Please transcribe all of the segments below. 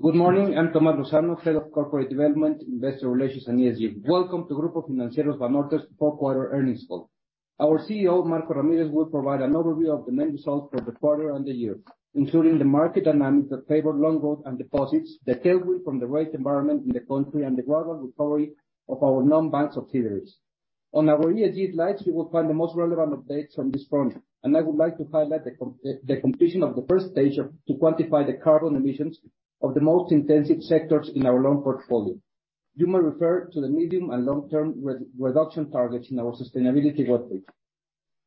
Good morning. I'm Tomás Lozano, Head of Corporate Development, Investor Relations and ESG. Welcome to Grupo Financiero Banorte's Q4 earnings call. Our CEO, Marco Ramírez, will provide an overview of the main results for the quarter and the year, including the market dynamics that favor loan growth and deposits, the tailwind from the rate environment in the country, and the global recovery of our non-bank subsidiaries. On our ESG slides, you will find the most relevant updates on this front. I would like to highlight the completion of the first stage to quantify the carbon emissions of the most intensive sectors in our loan portfolio. You may refer to the medium and long-term re-reduction targets in our sustainability update.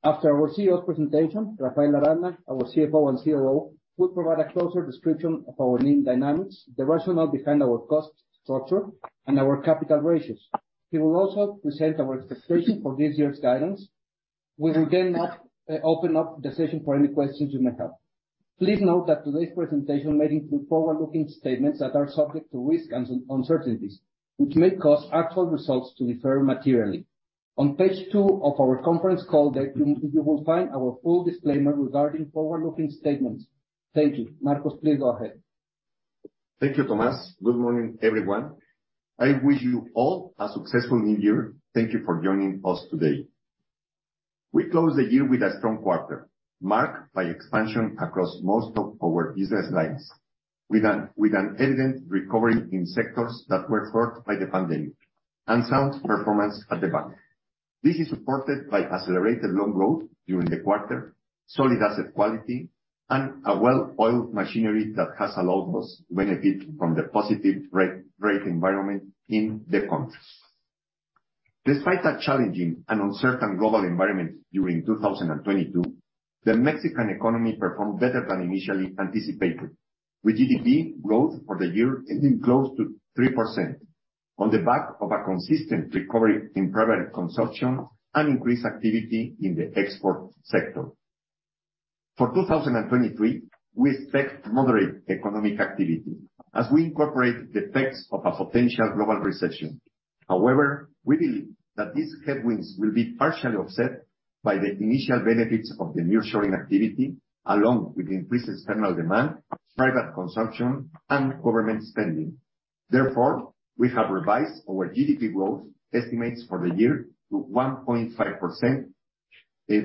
After our CEO presentation, Rafael Arana, our CFO and COO, will provide a closer description of our main dynamics, the rationale behind our cost structure, and our capital ratios. He will also present our expectations for this year's guidance. We will then open up the session for any questions you may have. Please note that today's presentation may include forward-looking statements that are subject to risks and uncertainties, which may cause actual results to differ materially. On page two of our conference call deck, you will find our full disclaimer regarding forward-looking statements. Thank you. Marcos, please go ahead. Thank you, Tomás. Good morning, everyone. I wish you all a successful new year. Thank you for joining us today. We close the year with a strong quarter marked by expansion across most of our business lines with an evident recovery in sectors that were hurt by the pandemic and sound performance at the bank. This is supported by accelerated loan growth during the quarter, solid asset quality, and a well-oiled machinery that has allowed us to benefit from the positive rate environment in the country. Despite a challenging and uncertain global environment during 2022, the Mexican economy performed better than initially anticipated, with GDP growth for the year ending close to 3% on the back of a consistent recovery in private consumption and increased activity in the export sector. For 2023, we expect moderate economic activity as we incorporate the effects of a potential global recession. However, we believe that these headwinds will be partially offset by the initial benefits of the nearshoring activity, along with increased external demand, private consumption, and government spending. Therefore, we have revised our GDP growth estimates for the year to 1.5%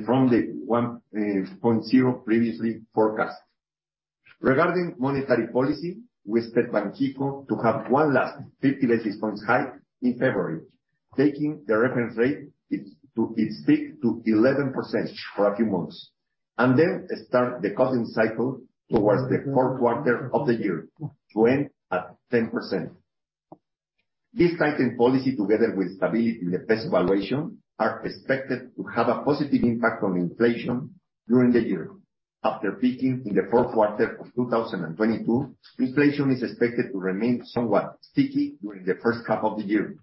from the 1.0% previously forecast. Regarding monetary policy, we expect Banxico to have one last 50 basis points hike in February, taking the reference rate to its peak to 11% for a few months, and then start the cutting cycle towards the fourth quarter of the year to end at 10%. This tightened policy, together with stability in the peso valuation, are expected to have a positive impact on inflation during the year. After peaking in the Q4 of 2022, inflation is expected to remain somewhat sticky during the H1 of the year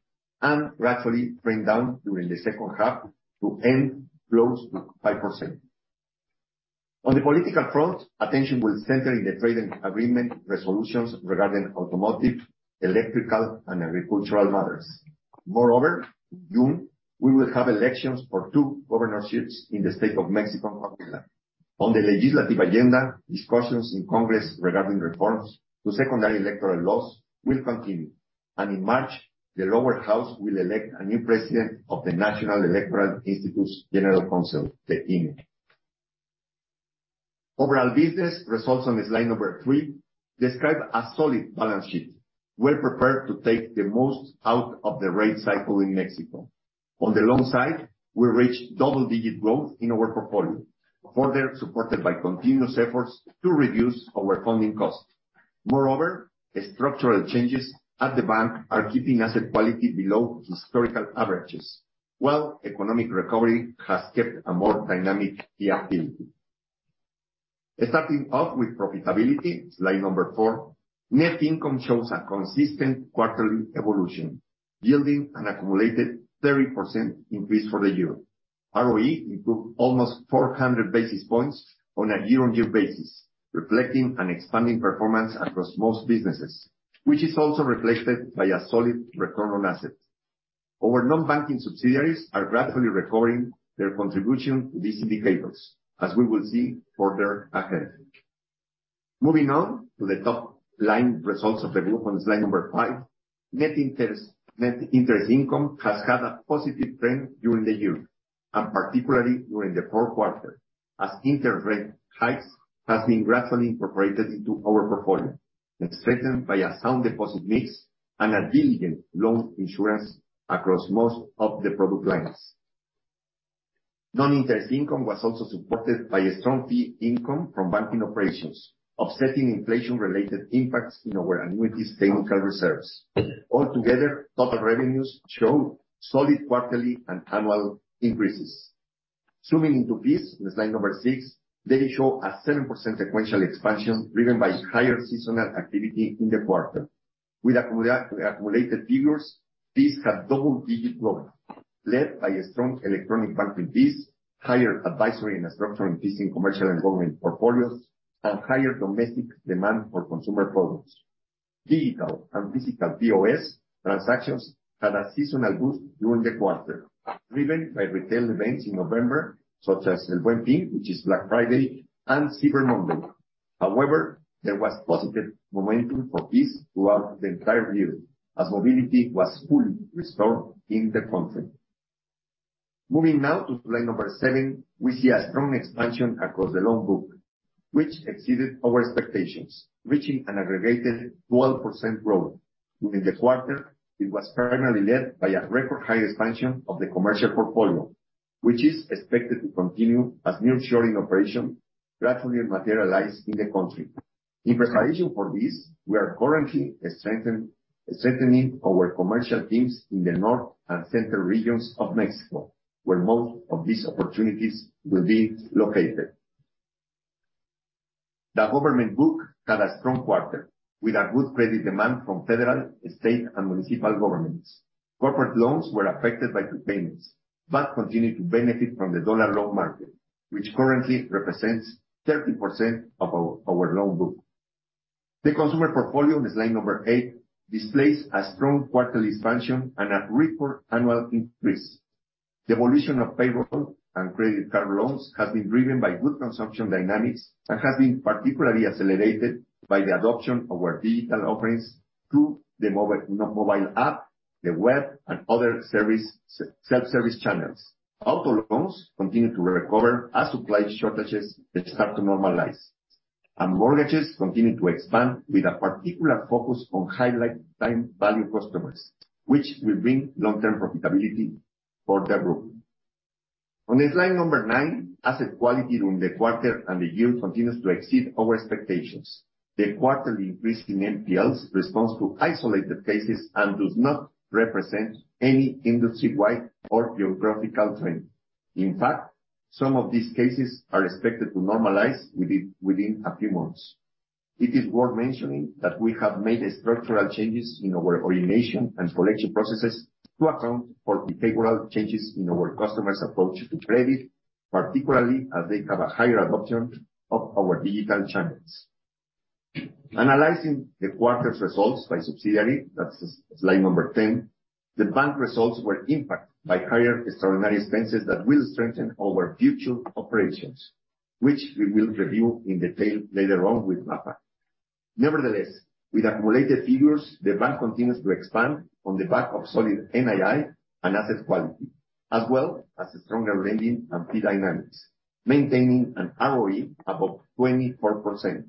and gradually trend down during the H2 to end close to 5%. On the political front, attention will center in the trade agreement resolutions regarding automotive, electrical, and agricultural matters. June, we will have elections for two governorships in the State of Mexico and Coahuila. On the legislative agenda, discussions in Congress regarding reforms to secondary electoral laws will continue. In March, the lower house will elect a new president of the National Electoral Institute's General Council, the INE. Overall business results on slide number three describe a solid balance sheet, well prepared to take the most out of the rate cycle in Mexico. On the loan side, we reached double-digit growth in our portfolio, further supported by continuous efforts to reduce our funding costs. Structural changes at the bank are keeping asset quality below historical averages while economic recovery has kept a more dynamic fee activity. Starting off with profitability, slide number four, net income shows a consistent quarterly evolution, yielding an accumulated 30% increase for the year. ROE improved almost 400 basis points on a year-on-year basis, reflecting an expanding performance across most businesses, which is also reflected by a solid return on assets. Our non-banking subsidiaries are gradually recovering their contribution to these indicators, as we will see further ahead. To the top-line results of the group on slide number five. Net interest income has had a positive trend during the year, particularly during the Q4, as interest rate hikes has been gradually incorporated into our portfolio and strengthened by a sound deposit mix and a diligent loan insurance across most of the product lines. Non-interest income was also supported by a strong fee income from banking operations, offsetting inflation-related impacts in our annuities technical reserves. Altogether, total revenues show solid quarterly and annual increases. Zooming into fees on slide number six, they show a 7% sequential expansion driven by higher seasonal activity in the quarter. With accumulated figures, fees have double-digit growth, led by a strong electronic banking fees, higher advisory and structuring fees in commercial and government portfolios, and higher domestic demand for consumer products. Digital and physical POS transactions had a seasonal boost during the quarter, driven by retail events in November, such as El Buen Fin which is Black Friday and Cyber Monday. There was positive momentum for this throughout the entire year, as mobility was fully restored in the country. Moving now to slide number seven, we see a strong expansion across the loan book, which exceeded our expectations, reaching an aggregated 12% growth. During the quarter, it was primarily led by a record high expansion of the commercial portfolio, which is expected to continue as nearshoring operation gradually materialize in the country. In preparation for this, we are currently strengthening our commercial teams in the North and Central regions of Mexico, where most of these opportunities will be located. The government book had a strong quarter, with a good credit demand from federal, state and municipal governments. Corporate loans were affected by repayments, but continue to benefit from the dollar loan market, which currently represents 30% of our loan book. The consumer portfolio in slide number eight displays a strong quarterly expansion and a record annual increase. The evolution of payroll and credit card loans has been driven by good consumption dynamics, and has been particularly accelerated by the adoption of our digital offerings through the mobile, you know, mobile app, the web, and other self-service channels. Auto loans continue to recover as supply shortages start to normalize, and mortgages continue to expand with a particular focus on high-value customers, which will bring long-term profitability for the group. On slide number 9, asset quality during the quarter and the year continues to exceed our expectations. The quarterly increase in NPLs responds to isolated cases and does not represent any industry-wide or geographical trend. In fact, some of these cases are expected to normalize within a few months. It is worth mentioning that we have made structural changes in our orientation and collection processes to account for behavioral changes in our customers approach to credit, particularly as they have a higher adoption of our digital channels. Analyzing the quarter's results by subsidiary, that's slide number 10, the bank results were impacted by higher extraordinary expenses that will strengthen our future operations, which we will review in detail later on with Rafa. Nevertheless, with accumulated figures, the bank continues to expand on the back of solid NII and asset quality, as well as stronger lending and fee dynamics, maintaining an ROE above 24%.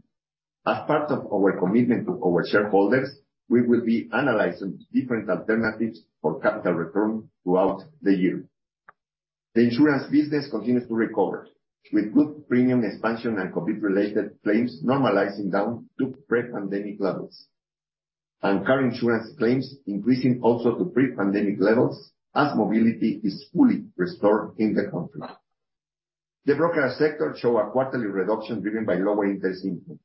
As part of our commitment to our shareholders, we will be analyzing different alternatives for capital return throughout the year. The insurance business continues to recover with good premium expansion and COVID-related claims normalizing down to pre-pandemic levels. Current insurance claims increasing also to pre-pandemic levels as mobility is fully restored in the country. The broker sector show a quarterly reduction driven by lower interest income.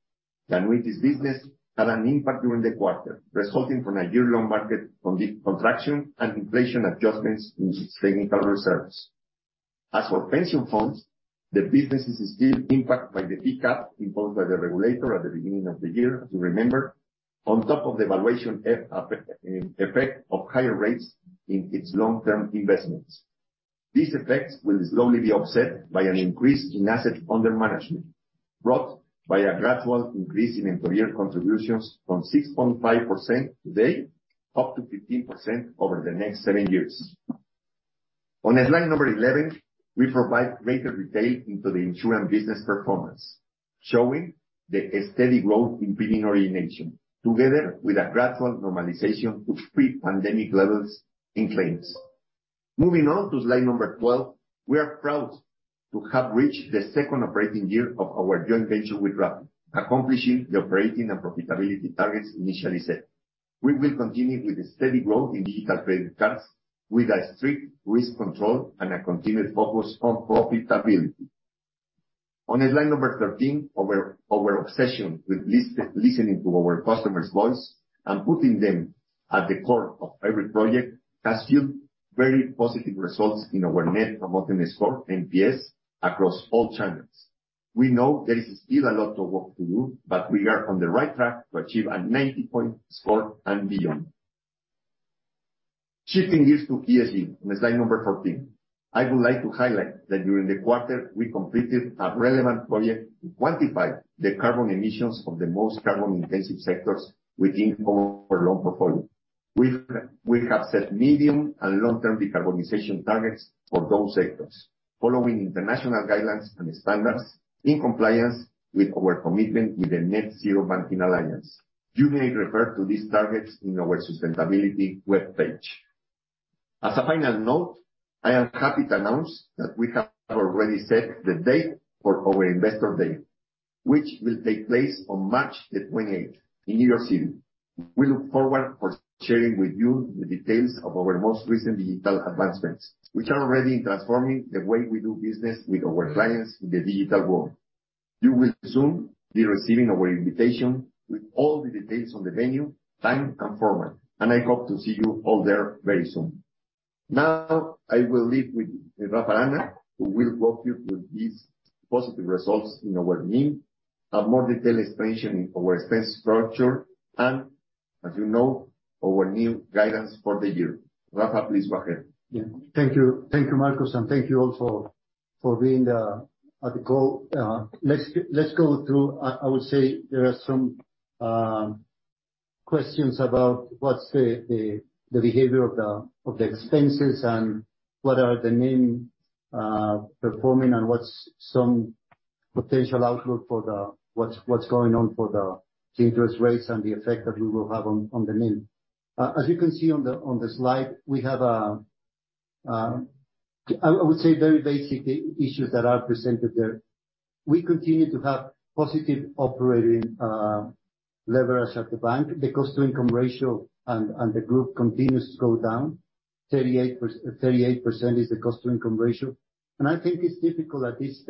The annuities business had an impact during the quarter, resulting from a year-long market contraction and inflation adjustments in its technical reserves. As for pension funds, the business is still impacted by the PCAP imposed by the regulator at the beginning of the year, as you remember, on top of the valuation effect of higher rates in its long-term investments. These effects will slowly be offset by an increase in asset under management, brought by a gradual increase in employer contributions from 6.5% today up to 15% over the next seven years. On slide number 11, we provide greater detail into the insurance business performance, showing the steady growth in premium origination, together with a gradual normalization to pre-pandemic levels in claims. Moving on to slide number 12. We are proud to have reached the second operating year of our joint venture with Rappi, accomplishing the operating and profitability targets initially set. We will continue with the steady growth in digital credit cards with a strict risk control and a continued focus on profitability. On slide number 13, our obsession with listening to our customers' voice and putting them at the core of every project has yield very positive results in our Net Promoter Score, NPS, across all channels. We know there is still a lot of work to do, we are on the right track to achieve a 90-point score and beyond. Shifting gears to ESG on slide number 14. I would like to highlight that during the quarter, we completed a relevant project to quantify the carbon emissions of the most carbon-intensive sectors within our loan portfolio. We have set medium and long-term decarbonization targets for those sectors, following international guidelines and standards in compliance with our commitment to the Net-Zero Banking Alliance. You may refer to these targets in our sustainability webpage. As a final note, I am happy to announce that we have already set the date for our investor day, which will take place on March 28 in New York City. We look forward for sharing with you the details of our most recent digital advancements, which are already transforming the way we do business with our clients in the digital world. You will soon be receiving our invitation with all the details on the venue, time and format. I hope to see you all there very soon. Now I will leave with Rafa Arana, who will walk you through these positive results in our NIM, a more detailed expansion in our expense structure, and as you know, our new guidance for the year. Rafa, please go ahead. Yeah. Thank you. Thank you, Marcos, and thank you also for being at the call. Let's go through. I would say there are some questions about what's the behavior of the expenses and what are the NIM performing and what's some potential outlook for what's going on for the interest rates and the effect that we will have on the NIM. As you can see on the slide, we have a, I would say, very basic issues that are presented there. We continue to have positive operating leverage at the bank. The cost-to-income ratio and the group continues to go down. 38% is the cost-to-income ratio. I think it's difficult at this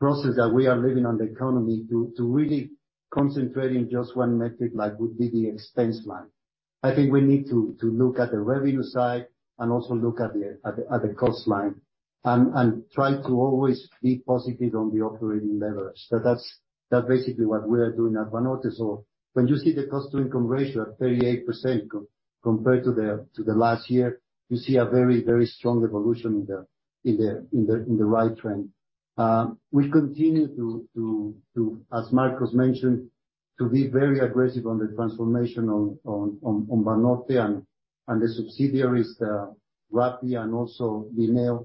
process that we are living on the economy to really concentrate in just one metric like would be the expense line. I think we need to look at the revenue side and also look at the cost line and try to always be positive on the operating leverage. That's basically what we are doing at Banorte. When you see the cost-to-income ratio at 38% compared to the last year, you see a very strong evolution in the right trend. We continue to, as Marcos mentioned, to be very aggressive on the transformation on Banorte and the subsidiaries, Rappi and also DINN.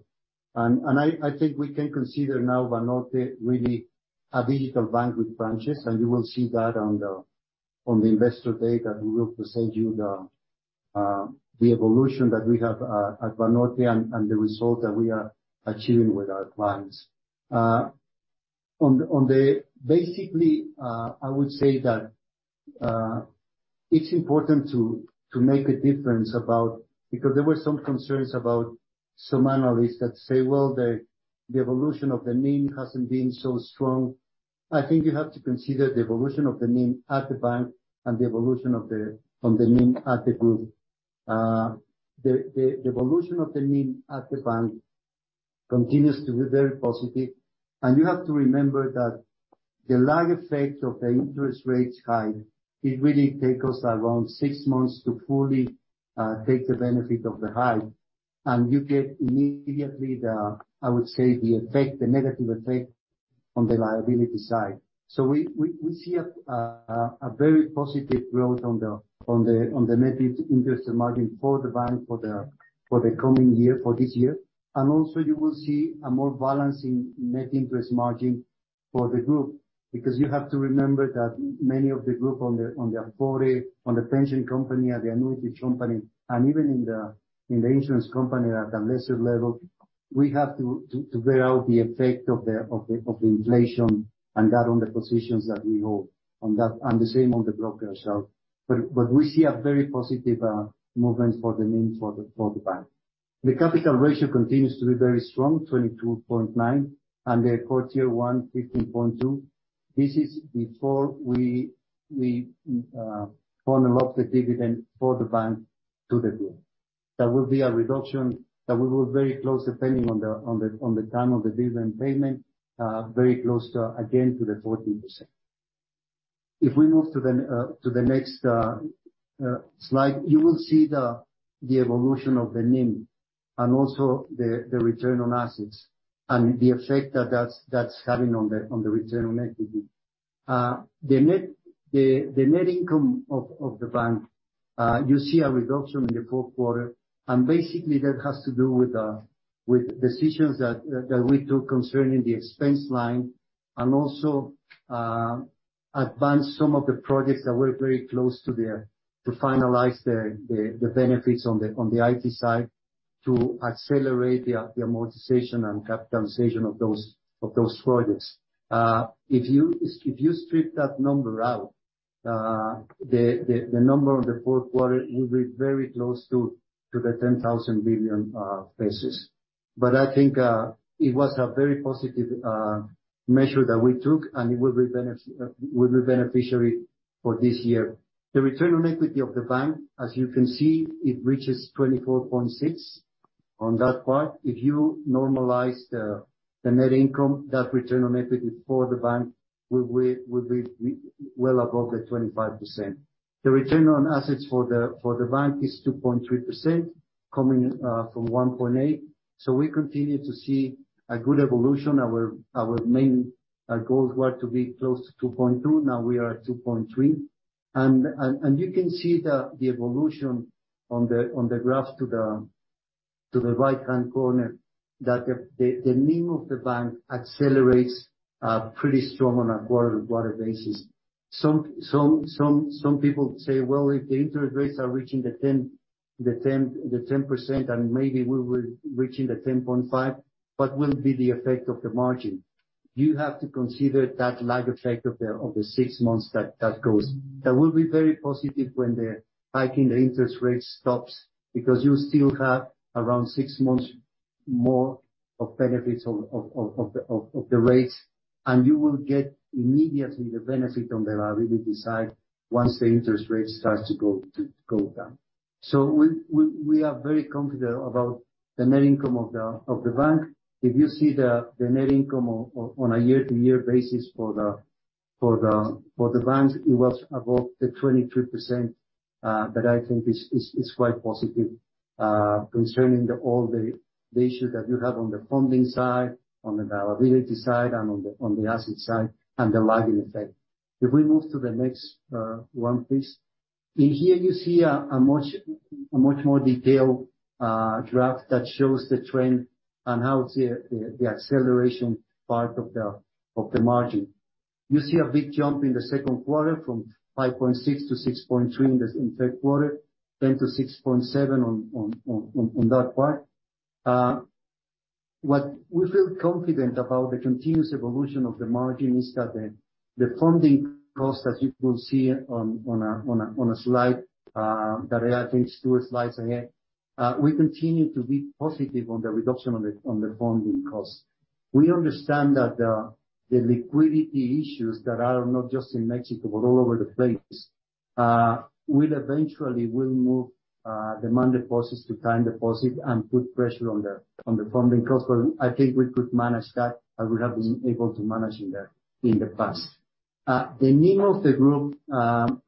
I think we can consider now Banorte really a digital bank with branches, and you will see that on the Banorte Day that we will present you the evolution that we have at Banorte and the result that we are achieving with our clients. Basically, I would say that it's important to make a difference about, because there were some concerns about some analysts that say, "Well, the evolution of the NIM hasn't been so strong." I think you have to consider the evolution of the NIM at the bank and the evolution of the NIM at the group. The evolution of the NIM at the bank continues to be very positive. You have to remember that the lag effect of the interest rates high, it really take us around six months to fully take the benefit of the high. You get immediately the, I would say, the effect, the negative effect on the liability side. We see a very positive growth on the net interest and margin for the bank for the coming year, for this year. Also you will see a more balance in net interest margin for the group, because you have to remember that many of the group on the Afore, on the pension company, at the annuities company, and even in the insurance company at the investor level, we have to bear out the effect of the inflation and that on the positions that we hold. The same on the broker shelf. We see a very positive movements for the NIM for the bank. The capital ratio continues to be very strong, 22.9%. The Core Tier 1, 15.2%. This is before we unlock the dividend for the bank to the group. There will be a reduction that we were very close, depending on the time of the dividend payment, very close to, again, to the 14%. If we move to the next slide, you will see the evolution of the NIM and also the return on assets and the effect that's having on the return on equity. The net income of the bank, you see a reduction in the Q4, and basically that has to do with decisions that we took concerning the expense line and also advance some of the projects that we're very close to finalize the benefits on the IT side to accelerate the amortization and capitalization of those projects. If you strip that number out, the number on the fourth quarter will be very close to the 10,000 billion pesos. I think it was a very positive measure that we took, and it will be beneficiary for this year. The return on equity of the bank, as you can see, it reaches 24.6% on that part. If you normalize the net income, that return on equity for the bank will be well above the 25%. The return on assets for the bank is 2.3%, coming from 1.8%. We continue to see a good evolution. Our main goals were to be close to 2.2%, now we are at 2.3%. You can see the evolution on the graph to the right-hand corner, that the NIM of the bank accelerates pretty strong on a quarter-to-quarter basis. Some people say, "Well, if the interest rates are reaching the 10%, and maybe we will reaching the 10.5%, what will be the effect of the margin?" You have to consider that lag effect of the six months that goes. That will be very positive when the hiking the interest rate stops, because you still have around six months more of benefits of the rates, and you will get immediately the benefit on the liability side once the interest rate starts to go down. We are very confident about the net income of the bank. If you see the net income on a year-to-year basis for the banks, it was above 23%, that I think is quite positive, concerning all the issues that you have on the funding side, on the liability side, and on the asset side, and the lag effect. If we move to the next one, please. In here you see a much more detailed graph that shows the trend and how the acceleration part of the margin. You see a big jump in the Q2 from 5.6% to 6.3% in Q3. To 6.7% on that part. What we feel confident about the continuous evolution of the margin is that the funding costs, as you will see on a slide, that I think two slides ahead, we continue to be positive on the reduction on the funding costs. We understand that the liquidity issues that are not just in Mexico, but all over the place, will eventually move demand deposits to time deposit and put pressure on the funding costs. I think we could manage that, as we have been able to manage in the past. The NIM of the group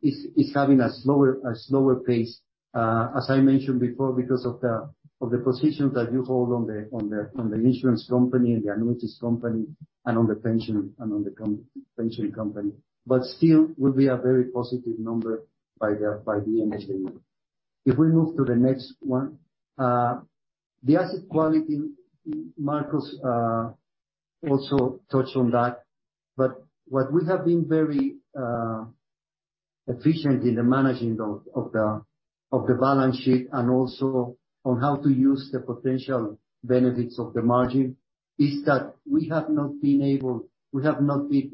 is having a slower pace, as I mentioned before, because of the positions that you hold on the insurance company and the annuities company, and on the pension company. Still will be a very positive number by the end of the year. We move to the next one. The asset quality, Marcos, also touched on that. What we have been very efficient in the managing of the balance sheet, and also on how to use the potential benefits of the margin, is that we have not been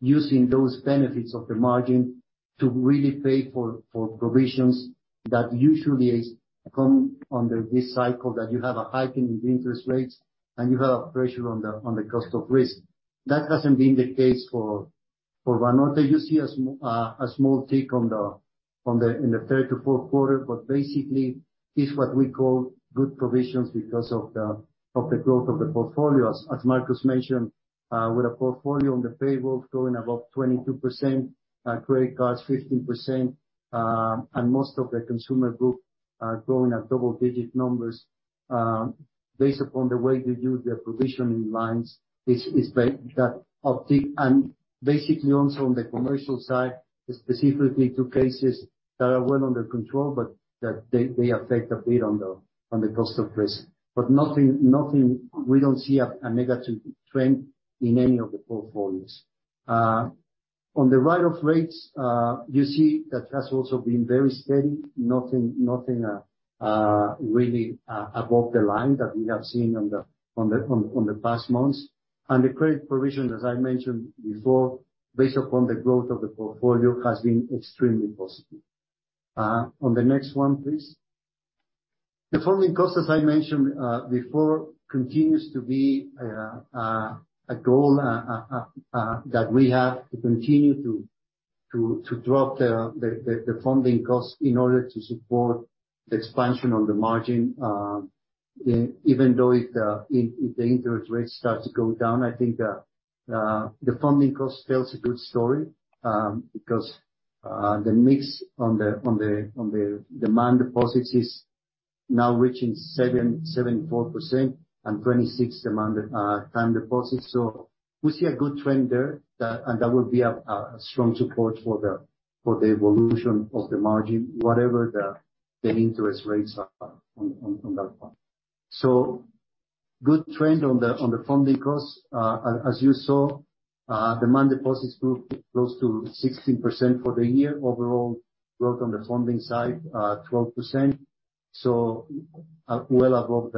using those benefits of the margin to really pay for provisions that usually come under this cycle, that you have a hike in interest rates, and you have a pressure on the cost of risk. That hasn't been the case for Banorte. You see a small tick on the in the third to fourth quarter, but basically is what we call good provisions because of the growth of the portfolios. As Marcos mentioned, with a portfolio on the payables growing above 22%, credit cards 15%, and most of the consumer group growing at double digit numbers, based upon the way we do the provisioning lines is that uptick. Basically also on the commercial side, specifically to cases that are well under control, but that they affect a bit on the cost of risk. Nothing. We don't see a negative trend in any of the portfolios. On the write-off rates, you see that has also been very steady. Nothing really above the line that we have seen on the past months. The credit provision, as I mentioned before, based upon the growth of the portfolio, has been extremely positive. On the next one, please. The funding cost, as I mentioned before, continues to be a goal that we have to continue to drop the funding costs in order to support the expansion on the margin. Even though if the interest rates starts to go down, I think the funding cost tells a good story. Because the mix on the demand deposits is now reaching 7.0% and 26% time deposits. We see a good trend there and that will be a strong support for the evolution of the margin, whatever the interest rates are on that one. Good trend on the funding costs. h, demand deposits grew close to 16% for the year. Overall growth on the funding side, uh, 12%, so well above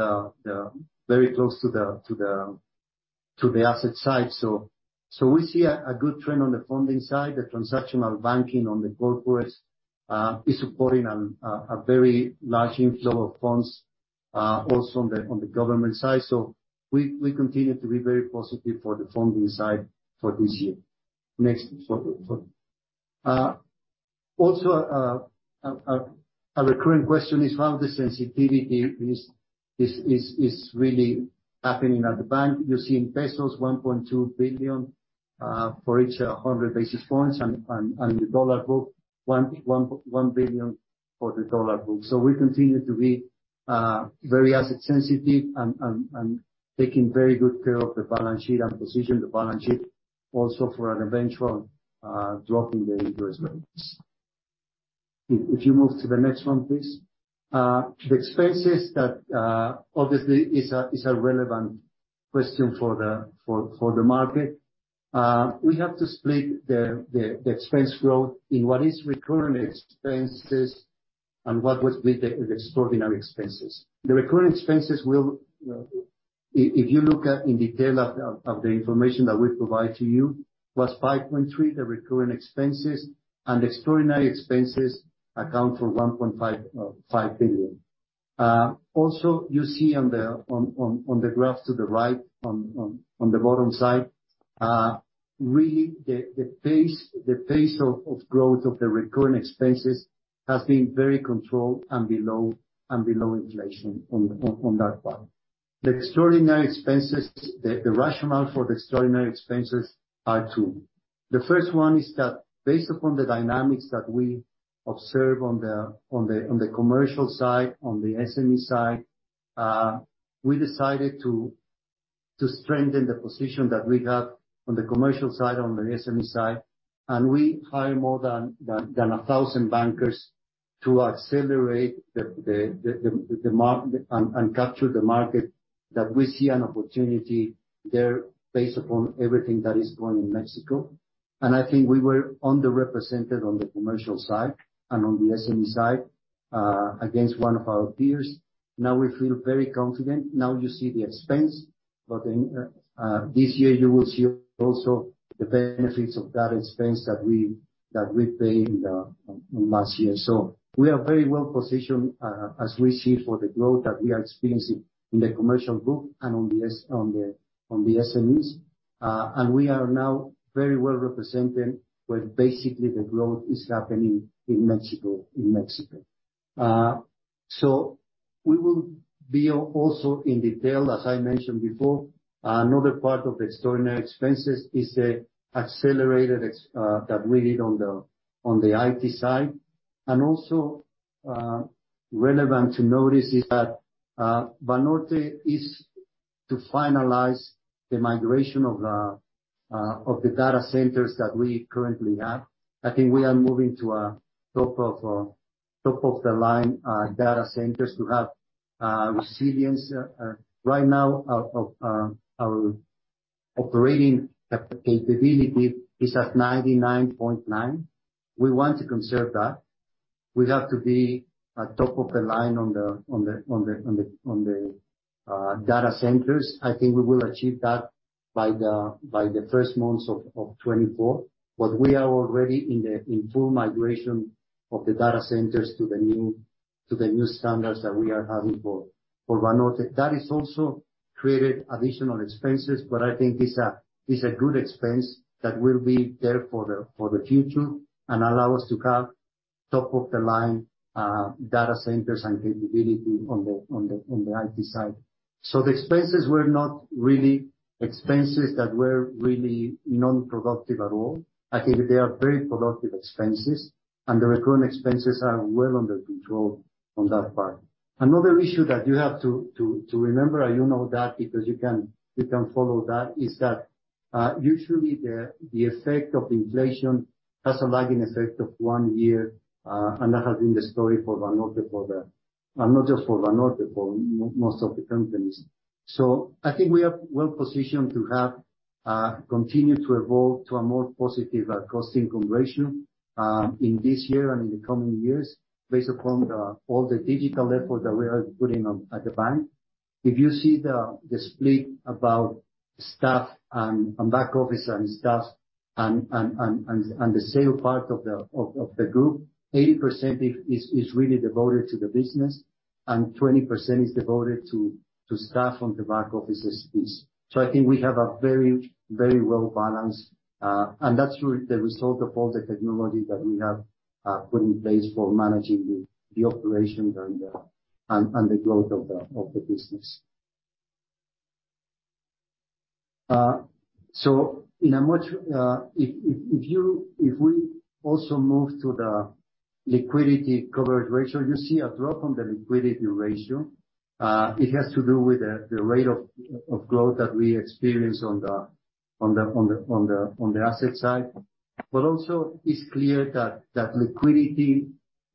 the very close to the to the asset side. So we see a good trend on the funding side. The transactional banking on the corporates is supporting a very large inflow of funds, also on the government side. So we continue to be very positive for the funding side for this year. Next. So also a recurring question is how the sensitivity is really happening at the bank. You're seeing pesos 1.2 billion for each 100 basis points, and the dollar book $1 billion for the dollar book. We continue to be very asset sensitive and taking very good care of the balance sheet and position the balance sheet also for an eventual drop in the interest rates. If you move to the next one, please. The expenses that obviously is a relevant question for the market. We have to split the expense growth in what is recurrent expenses and what was with the extraordinary expenses. If you look at in detail of the information that we provide to you, was 5.3, the recurring expenses and extraordinary expenses account for 1.55 billion. Also you see on the graph to the right, on the bottom side, really the pace of growth of the recurring expenses has been very controlled and below inflation on that part. The extraordinary expenses, the rationale for the extraordinary expenses are two. The first one is that based upon the dynamics that we observe on the commercial side, on the SME side, we decided to strengthen the position that we have on the commercial side, on the SME side. We hire more than 1,000 bankers to accelerate the market and capture the market that we see an opportunity there based upon everything that is going in Mexico. I think we were underrepresented on the commercial side and on the SME side against one of our peers. Now we feel very confident. Now you see the expense, but in this year you will see also the benefits of that expense that we paid on last year. We are very well positioned as we see for the growth that we are experiencing in the commercial group and on the SMEs. We are now very well represented where basically the growth is happening in Mexico, in Mexico. We will be also in detail, as I mentioned before, another part of extraordinary expenses is the accelerated that we did on the IT side. Also, relevant to notice is that Banorte is to finalize the migration of the data centers that we currently have. I think we are moving to a top of the line data centers to have resilience, right now of our operating capability is at 99.9. We want to conserve that. We have to be at top of the line on the data centers. I think we will achieve that by the first months of 2024. We are already in full migration of the data centers to the new standards that we are having for Banorte. That has also created additional expenses. I think it's a good expense that will be there for the future and allow us to have top of the line data centers and capability on the IT side. The expenses were not really expenses that were really non-productive at all. I think they are very productive expenses. The recurring expenses are well under control on that part. Another issue that you have to remember, and you know that because you can follow that, is that usually the effect of inflation has a lagging effect of one year, and that has been the story for Banorte for the... Not just for Banorte, for most of the companies. I think we are well positioned to have continue to evolve to a more positive costing conversion in this year and in the coming years based upon all the digital effort that we are putting on at the bank. If you see the split about staff and back office, and staff and the sale part of the group, 80% is really devoted to the business and 20% is devoted to staff on the back offices piece. I think we have a very well balanced, and that's really the result of all the technology that we have put in place for managing the operations and the growth of the business. In a much, if we also move to the liquidity coverage ratio, you see a drop on the liquidity ratio. It has to do with the rate of growth that we experience on the asset side. Also it's clear that liquidity,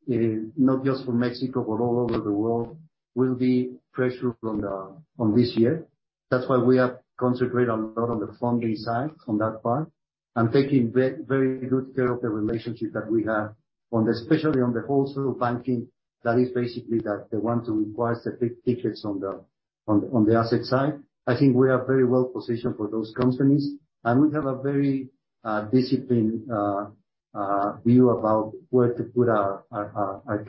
not just for Mexico, but all over the world, will be pressured on this year. That's why we have concentrated a lot on the funding side on that part, and taking very good care of the relationship that we have on the, especially on the wholesale banking, that is basically the one to requires the big tickets on the asset side. I think we are very well positioned for those companies, and we have a very disciplined view about where to put our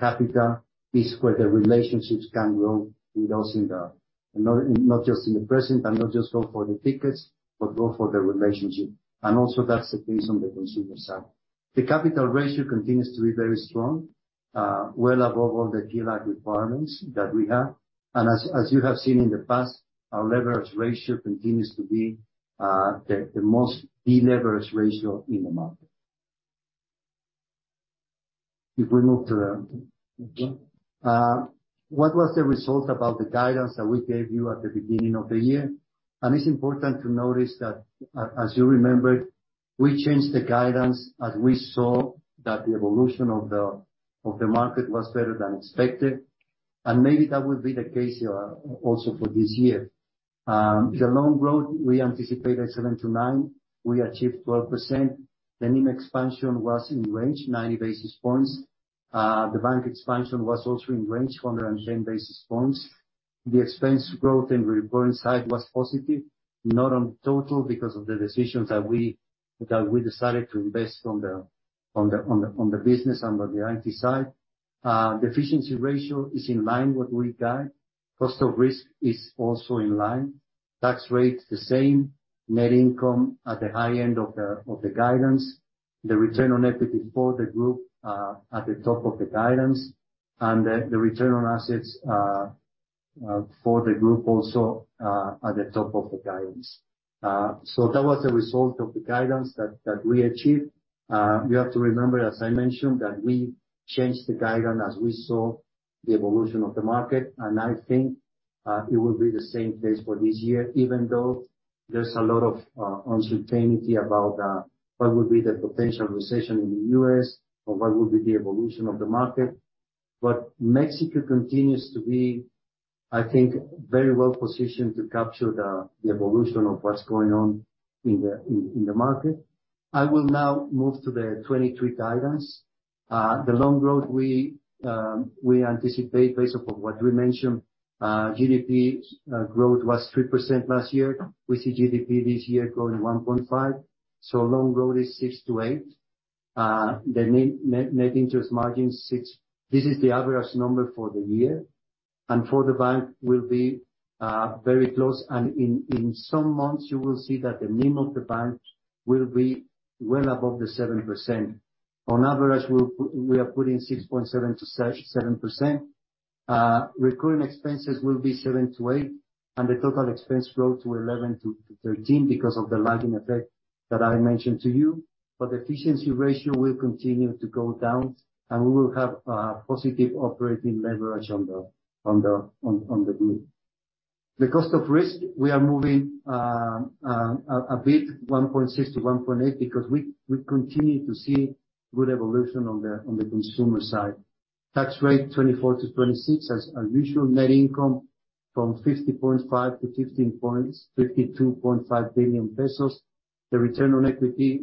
capital is where the relationships can grow with us in the, not just in the present, and not just go for the tickets, but go for the relationship. Also, that's the case on the consumer side. The capital ratio continues to be very strong, well above all the GLAC requirements that we have. As you have seen in the past, our leverage ratio continues to be the most deleverage ratio in the market. If we move to okay. What was the result about the guidance that we gave you at the beginning of the year? It's important to notice that as you remember, we changed the guidance as we saw that the evolution of the market was better than expected. Maybe that will be the case here also for this year. The loan growth, we anticipated 7%-9%, we achieved 12%. The NIM expansion was in range, 90 basis points. The bank expansion was also in range on the same basis points. The expense growth in recurring side was positive, not on total because of the decisions that we decided to invest on the business and on the IT side. The efficiency ratio is in line what we guide. Cost of risk is also in line. Tax rate, the same. Net income at the high end of the guidance. The return on equity for the group, at the top of the guidance. The return on assets, for the group also, at the top of the guidance. That was the result of the guidance that we achieved. You have to remember, as I mentioned, that we changed the guidance as we saw the evolution of the market. I think, it will be the same case for this year, even though there's a lot of uncertainty about what will be the potential recession in the U.S. or what will be the evolution of the market. Mexico continues to be, I think, very well positioned to capture the evolution of what's going on in the market. I will now move to the 23 guidance. The loan growth we anticipate based upon what we mentioned, GDP growth was 3% last year. We see GDP this year growing 1.5. Loan growth is 6-8. The net interest margin 6. This is the average number for the year. For the bank will be very close, and in some months, you will see that the NIM of the bank will be well above the 7%. On average, we are putting 6.7%-7%. Recurring expenses will be 7-8. The total expense growth to 11-13 because of the lagging effect that I mentioned to you. Efficiency ratio will continue to go down, and we will have positive operating leverage on the group. The cost of risk, we are moving 1.6%-1.8%, because we continue to see good evolution on the consumer side. Tax rate, 24%-26%. Net income from 15.5 billion-52.5 billion pesos. The return on equity,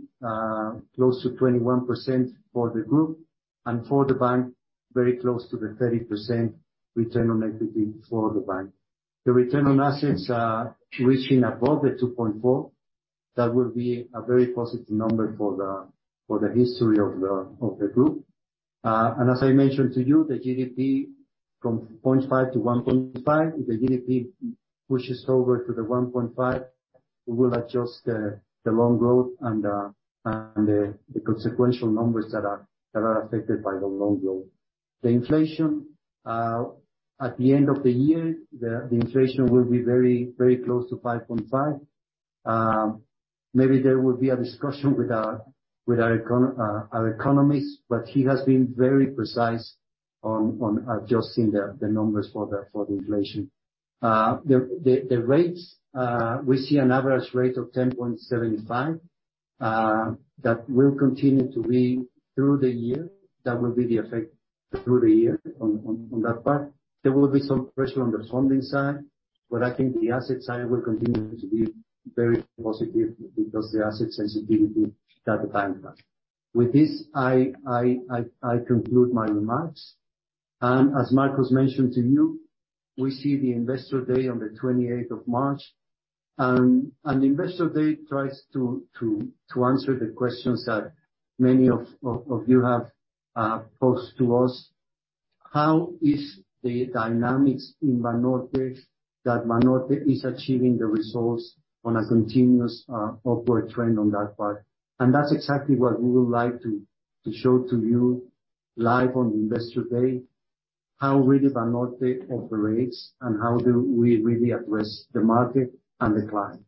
close to 21% for the group, and for the bank, very close to the 30% return on equity for the bank. The return on assets, reaching above the 2.4%, that will be a very positive number for the history of the group. As I mentioned to you, the GDP from 0.5%-1.5%. If the GDP pushes over to the 1.5%, we will adjust the loan growth and the consequential numbers that are affected by the loan growth. The inflation at the end of the year, the inflation will be very close to 5.5%. Maybe there will be a discussion with our economist, but he has been very precise on adjusting the numbers for the inflation. The rates, we see an average rate of 10.75% that will continue to be through the year. That will be the effect through the year on that part. There will be some pressure on the funding side. I think the asset side will continue to be very positive because the asset sensitivity that the bank has. With this, I conclude my remarks. As Marcos mentioned to you, we see the Investor Day on the 28th of March. Investor Day tries to answer the questions that many of you have posed to us. How is the dynamics in Banorte that Banorte is achieving the results on a continuous upward trend on that part? That's exactly what we would like to show to you live on Investor Day, how really Banorte operates and how do we really address the market and the client.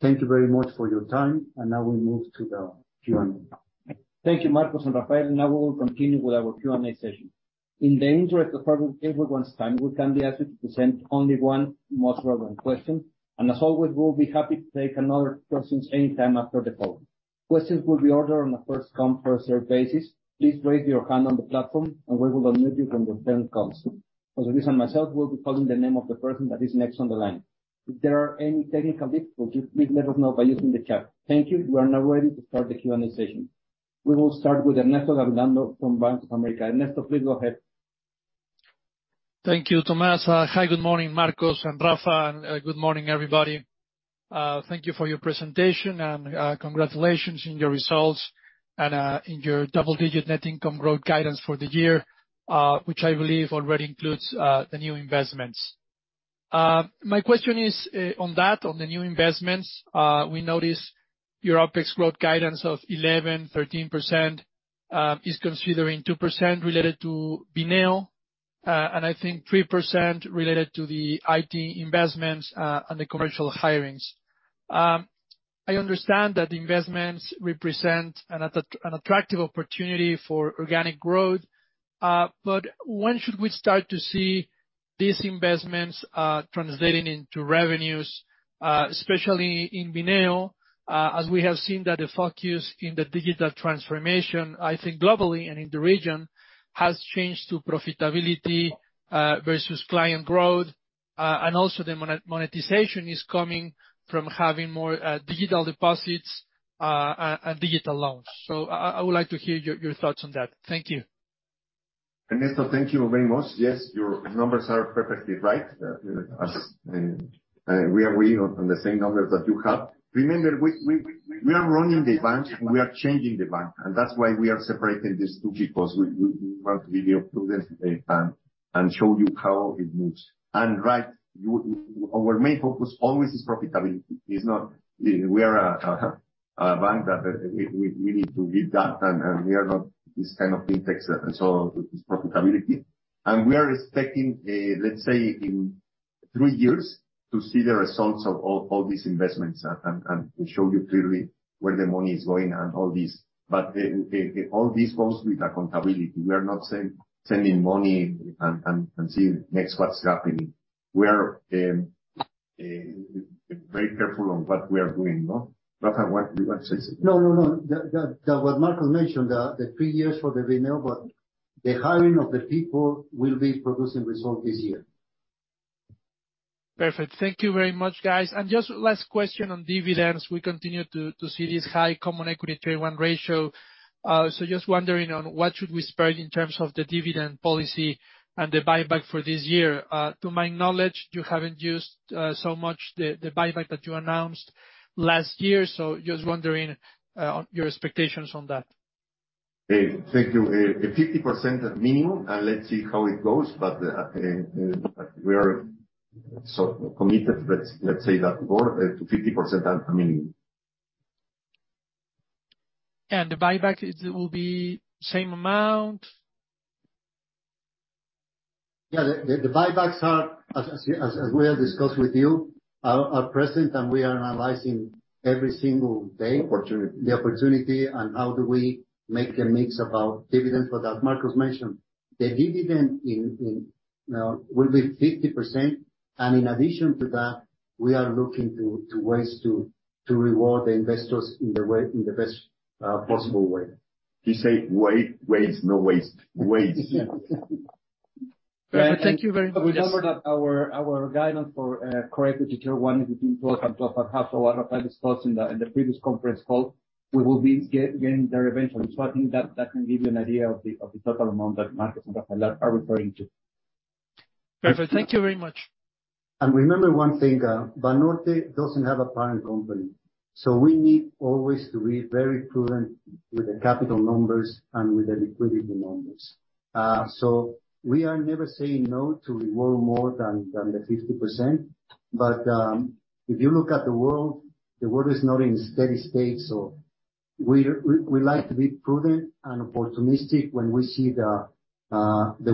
Thank you very much for your time. Now we move to the Q&A. Thank you, Marcos and Rafael. Now we will continue with our Q&A session. In the interest of everyone's time, we kindly ask you to present only one most relevant question. As always, we will be happy to take another questions any time after the call. Questions will be ordered on a first come, first served basis. Please raise your hand on the platform, and we will unmute you when your turn comes. José Luis and myself will be calling the name of the person that is next on the line. If there are any technical difficulties, please let us know by using the chat. Thank you. We are now ready to start the Q&A session. We will start with Ernesto Gabilondo Thank you, Tomas. Hi, good morning, Marcos and Rafa, good morning, everybody. Thank you for your presentation and congratulations on your results and in your double-digit net income growth guidance for the year, which I believe already includes the new investments. My question is on that, on the new investments. We noticed your OpEx growth guidance of 11%-13%, is considering 2% related to Bineo, and I think 3% related to the IT investments, and the commercial hirings. I understand that the investments represent an attractive opportunity for organic growth, but when should we start to see these investments translating into revenues, especially in Bineo, as we have seen that the focus in the digital transformation, I think globally and in the region, has changed to profitability versus client growth. Also the monetization is coming from having more digital deposits and digital loans. I would like to hear your thoughts on that. Thank you. Ernesto, thank you very much. Yes, your numbers are perfectly right. As we are reading on the same numbers that you have. Remember, we are running the bank, and we are changing the bank, and that's why we are separating these two, because we want to be prudent and show you how it moves. Right, our main focus always is profitability. It's not. We are a bank that we need to give that, and we are not this kind of big tech startup, so it's profitability. We are expecting, let's say, in three years to see the results of all these investments and we show you clearly where the money is going and all this. All this goes with accountability. We are not sending money and seeing next what's happening. We are very careful on what we are doing, no? Rafael, what says it? No, no. The, the, what Marcos mentioned, the three years for the renewal, but the hiring of the people will be producing results this year. Perfect. Thank you very much, guys. Just last question on dividends. We continue to see this high Common Equity Tier 1 ratio. Just wondering on what should we expect in terms of the dividend policy and the buyback for this year. To my knowledge, you haven't used so much the buyback that you announced last year, just wondering on your expectations on that. Thank you. 50% at minimum. Let's see how it goes. We are so committed, let's say that word, to 50% at a minimum. The buyback will be same amount? Yeah. The buybacks are, as we have discussed with you, are present. We are analyzing every single day. Opportunity ...the opportunity and how do we make a mix of our dividends. As Marcos mentioned, the dividend in will be 50%, and in addition to that, we are looking to ways to reward the investors in the best possible way. He say ways, no waste. Ways. Thank you very much. Remember that our guidance for Core Equity Tier 1 is between 12% and 12.5%. What Rafael discussed in the previous conference call, we will be getting there eventually. I think that can give you an idea of the total amount that Marcos and Rafael are referring to. Perfect. Thank you very much. Remember one thing, Banorte doesn't have a parent company. We need always to be very prudent with the capital numbers and with the liquidity numbers. We are never saying no to reward more than the 50%. If you look at the world, the world is not in a steady state. We like to be prudent and opportunistic when we see the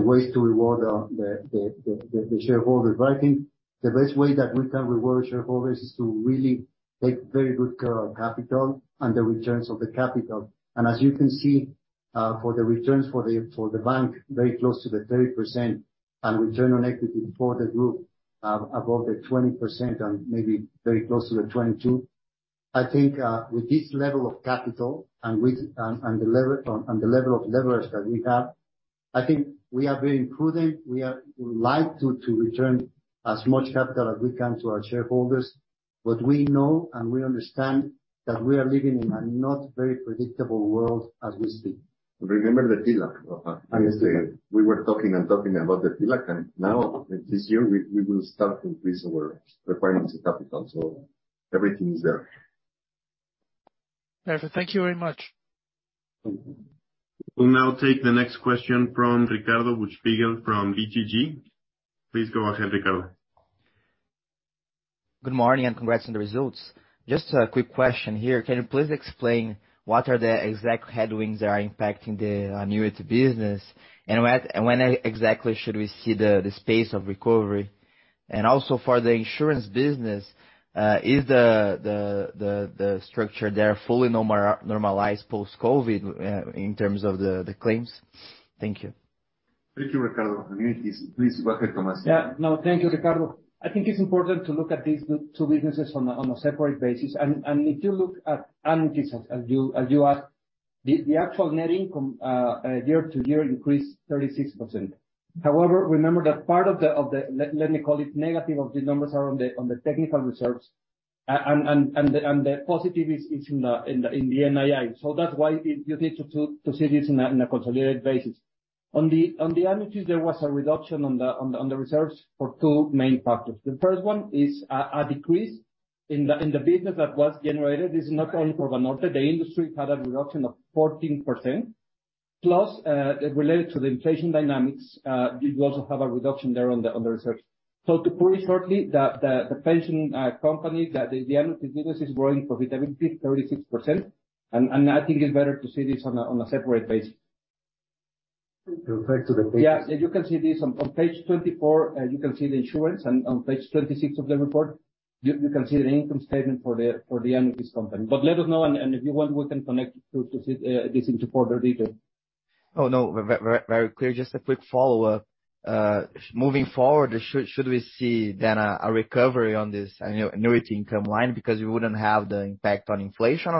ways to reward the shareholders. I think the best way that we can reward shareholders is to really take very good care of capital and the returns of the capital. As you can see, for the returns for the bank, very close to the 30%, and return on equity for the group, above the 20% and maybe very close to the 22%. I think, with this level of capital and with the level of leverage that we have, I think we are being prudent. We like to return as much capital as we can to our shareholders. We know and we understand that we are living in a not very predictable world as we speak. Remember the TLAC, Rafael. Yes. We were talking about the TLAC, and now, this year, we will start to increase our requirements of capital. Everything is there. Perfect. Thank you very much. We'll now take the next question from Ricardo Buchsbaum from BTG. Please go ahead, Ricardo. Good morning, congrats on the results. Just a quick question here. Can you please explain what are the exact headwinds that are impacting the annuity business, exactly should we see the space of recovery? Also for the insurance business, is the structure there fully normalized post-COVID in terms of the claims? Thank you. Thank you, Ricardo. Communities, please go ahead, Tomas. Yeah, no, thank you, Ricardo. I think it's important to look at these two businesses on a separate basis. If you look at annuities, as you ask, the actual net income year-to-year increased 36%. However, remember that part of the, let me call it negative of the numbers, are on the technical reserves, and the positive is in the NII. That's why you need to see this in a consolidated basis. On the annuities, there was a reduction on the reserves for two main factors. The first one is a decrease in the business that was generated. This is not only for Banorte. The industry had a reduction of 14%, plus, related to the inflation dynamics, we also have a reduction there on the reserves. To put it shortly, the pension company, the annuity business is growing profitability 36%, and I think it's better to see this on a separate basis. Refer to the pages. Yeah. You can see this on page 24, you can see the insurance, and on page 26 of the report, you can see the income statement for the annuities company. Let us know, and if you want, we can connect to see this into further detail. Oh, no, very clear. Just a quick follow-up. Moving forward, should we see then a recovery on this annuity income line because you wouldn't have the impact on inflation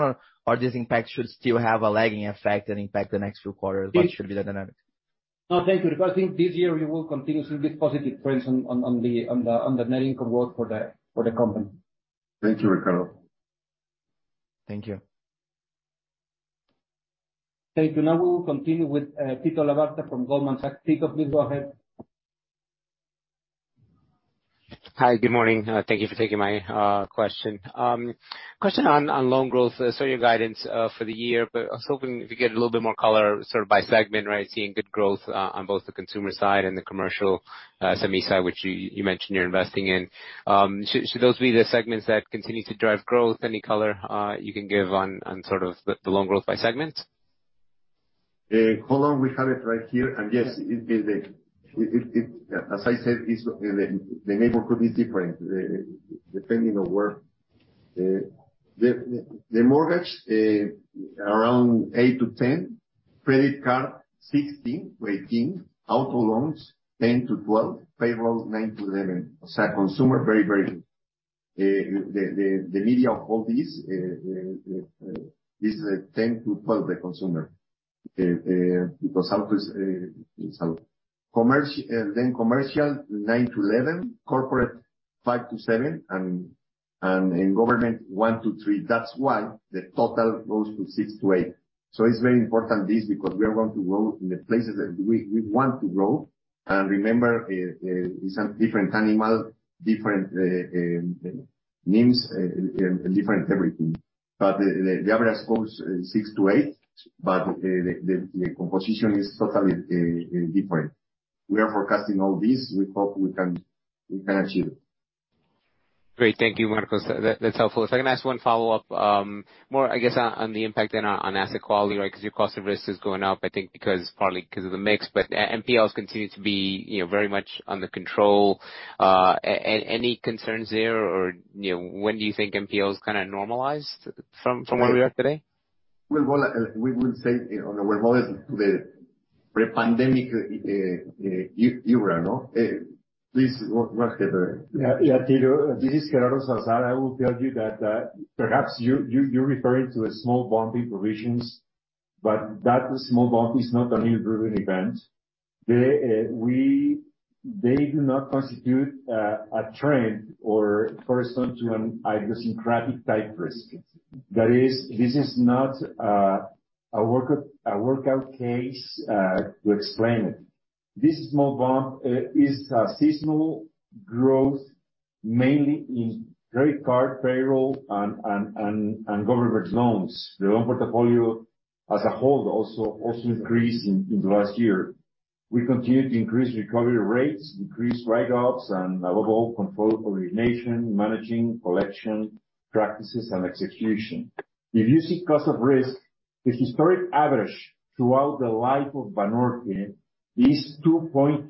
or this impact should still have a lagging effect and impact the next few quarters? What should be the dynamics? No, thank you, Ricardo. I think this year we will continue to see this positive trends on the net income growth for the company. Thank you, Ricardo. Thank you. Thank you. We will continue with, Tito Labarta from Goldman Sachs. Tito, please go ahead. Hi, good morning. Thank you for taking my question. Question on loan growth. I saw your guidance for the year. I was hoping if you get a little bit more color sort of by segment, right? Seeing good growth on both the consumer side and the commercial semi side, which you mentioned you're investing in. Should those be the segments that continue to drive growth? Any color you can give on sort of the loan growth by segment? Hold on, we have it right here. Yes, it is as I said, it's the neighborhood is different depending on where. The mortgage, around 8-10%, credit card 16-18%, auto loans 10-12%, payroll 9-11%. As a consumer, very good. The median of all these is 10-12% the consumer. Great. Thank you, Marcos. That's helpful. If I can ask one follow-up, more, I guess, on the impact then on asset quality, right? Your cost of risk is going up, I think, because partly because of the mix, but NPLs continue to be, you know, very much under control. Any concerns there? You know, when do you think NPL is kind of normalized from where we are today? We will say on a werewolf to the pre-pandemic, no? Please what's the better. Yeah, yeah, Tito. This is Gerardo Salazar. I will tell you that perhaps you're referring to a small bumpy provisions, but that small bump is not a new driven event. They do not constitute a trend or correspond to an idiosyncratic type risk. That is, this is not a workout case to explain it. This small bump is a seasonal growth mainly in credit card, payroll and government loans. The loan portfolio as a whole also increased in the last year. We continue to increase recovery rates, increase write-offs, and overall control origination, managing collection practices and execution. If you see cost of risk, the historic average throughout the life of Banorte is 2.2%.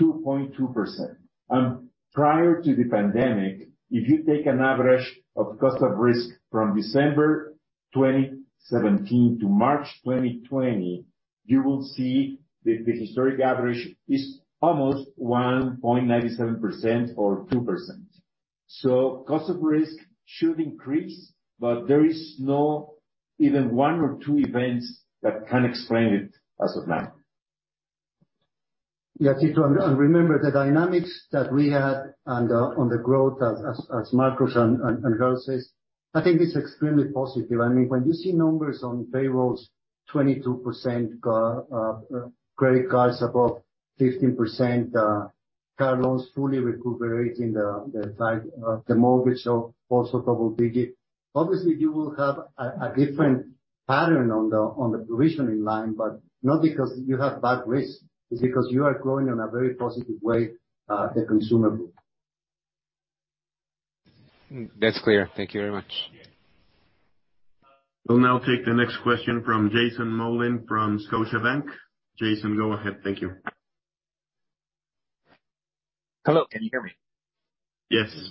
2.2%. Prior to the pandemic, if you take an average of cost of risk from December 2017 to March 2020, you will see that the historic average is almost 1.97% or 2%. Cost of risk should increase, but there is no even one or two events that can explain it as of now. Yeah, Tito. Remember the dynamics that we had on the growth as Marcos and Gerardo says, I think it's extremely positive. I mean, when you see numbers on payrolls, 22% go, credit cards above 15%, car loans fully recuperating the size of the mortgage of also double digit. Obviously, you will have a different pattern on the provisioning line, but not because you have bad risk. It's because you are growing in a very positive way, the consumer group. That's clear. Thank you very much. Yeah. We'll now take the next question from Jason Mollin from Scotiabank. Jason, go ahead. Thank you. Hello, can you hear me? Yes.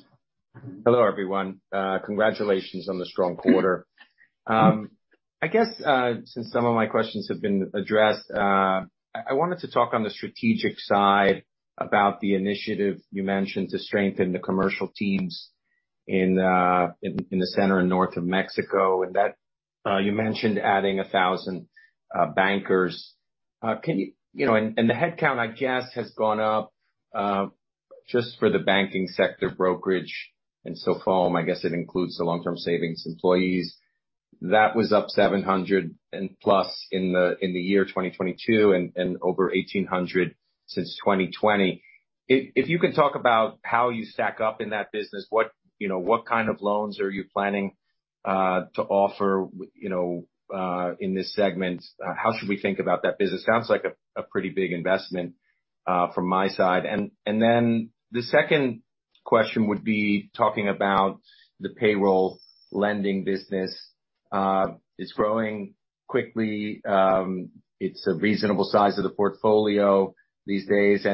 Hello, everyone. Congratulations on the strong quarter. I guess since some of my questions have been addressed, I wanted to talk on the strategic side about the initiative you mentioned to strengthen the commercial teams in the center and north of Mexico, and that you mentioned adding 1,000 bankers. Can you? You know, and the head count, I guess, has gone up just for the banking sector brokerage and so forth. I guess it includes the long-term savings employees. That was up 700 and plus in the year 2022 and over 1,800 since 2020. If you can talk about how you stack up in that business, what, you know, what kind of loans are you planning to offer, you know, in this segment? How should we think about that business? Sounds like a pretty big investment from my side. Then the second question would be talking about the payroll lending business. It's growing quickly. It's a reasonable size of the portfolio these days.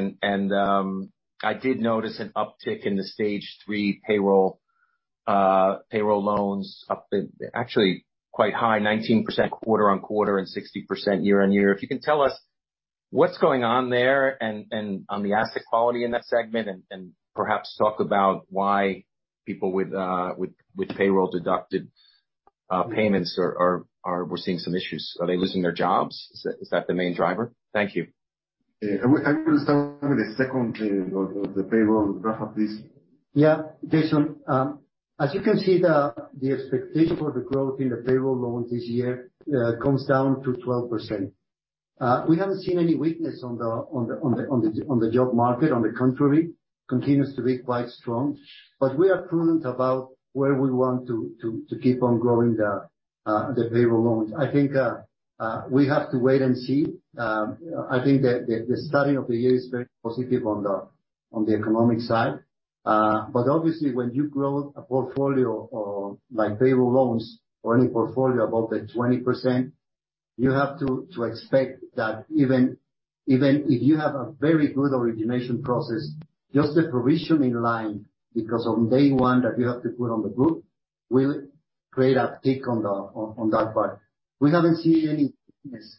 I did notice an uptick in the stage three payroll payroll loans up to actually quite high, 19% quarter-on-quarter and 60% year-on-year. If you can tell us what's going on there and on the asset quality in that segment, and perhaps talk about why people with payroll deducted payments are seeing some issues. Are they losing their jobs? Is that the main driver? Thank you. Can we start with the second of the payroll graph, please? Yeah. Jason, as you can see the expectation for the growth in the payroll loans this year, comes down to 12%. We haven't seen any weakness on the job market. On the contrary, continues to be quite strong. We are prudent about where we want to keep on growing the payroll loans. I think we have to wait and see. I think the starting of the year is very positive on the economic side. Obviously, when you grow a portfolio or like payroll loans or any portfolio above the 20%, you have to expect that even if you have a very good origination process, just the provisioning line because on day 1 that you have to put on the book will create a tick on that part. We haven't seen any weakness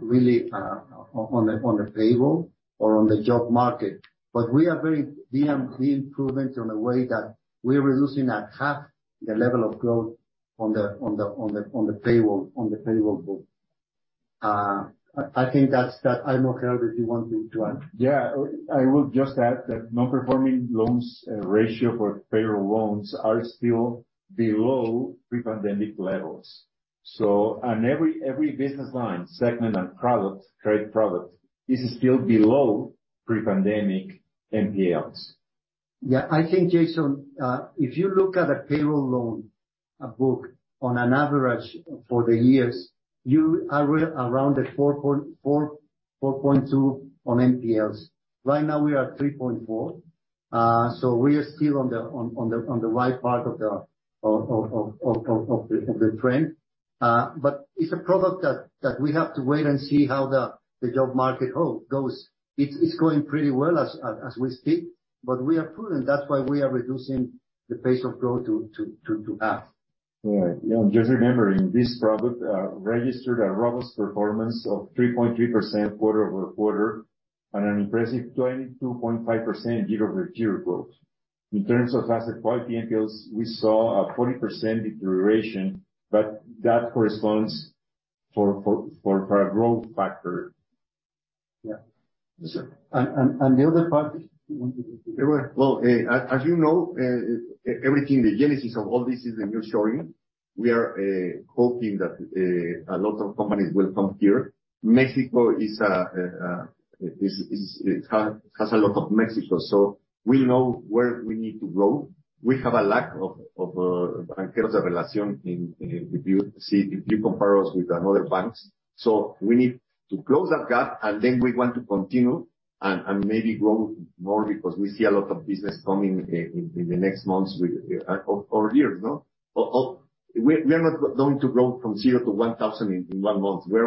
really on the payroll or on the job market, but we are very being prudent on the way that we're reducing at half the level of growth on the payroll book. I think that's that. I don't know, Herbert, if you want to add. Yeah. I would just add that non-performing loans ratio for payroll loans are still below pre-pandemic levels. On every business line, segment and product, credit product, is still below pre-pandemic NPLs. I think, Jason, if you look at a payroll loan, a book on an average for the years, you are around the 4.4%, 4.2% on NPLs. Right now we are at 3.4%. We are still on the right part of the trend. It's a product that we have to wait and see how the job market goes. It's going pretty well as we speak, but we are prudent. That's why we are reducing the pace of growth to half. Yeah. Yeah, just remembering, this product, registered a robust performance of 3.3% quarter-over-quarter and an impressive 22.5% year-over-year growth. In terms of asset quality NPLs, we saw a 40% deterioration, but that corresponds for a growth factor. Yeah. Yes, sir. The other part, you want to go through. Well, as you know, everything, the genesis of all this is the nearshoring. We are hoping that a lot of companies will come here. Mexico is, it has a lot of Mexico, so we know where we need to grow. We have a lack of bancarización in, if you compare us with another banks. We need to close that gap and then we want to continue and maybe grow more because we see a lot of business coming in the next months with or years, no? We are not going to grow from 0 to 1,000 in one month. We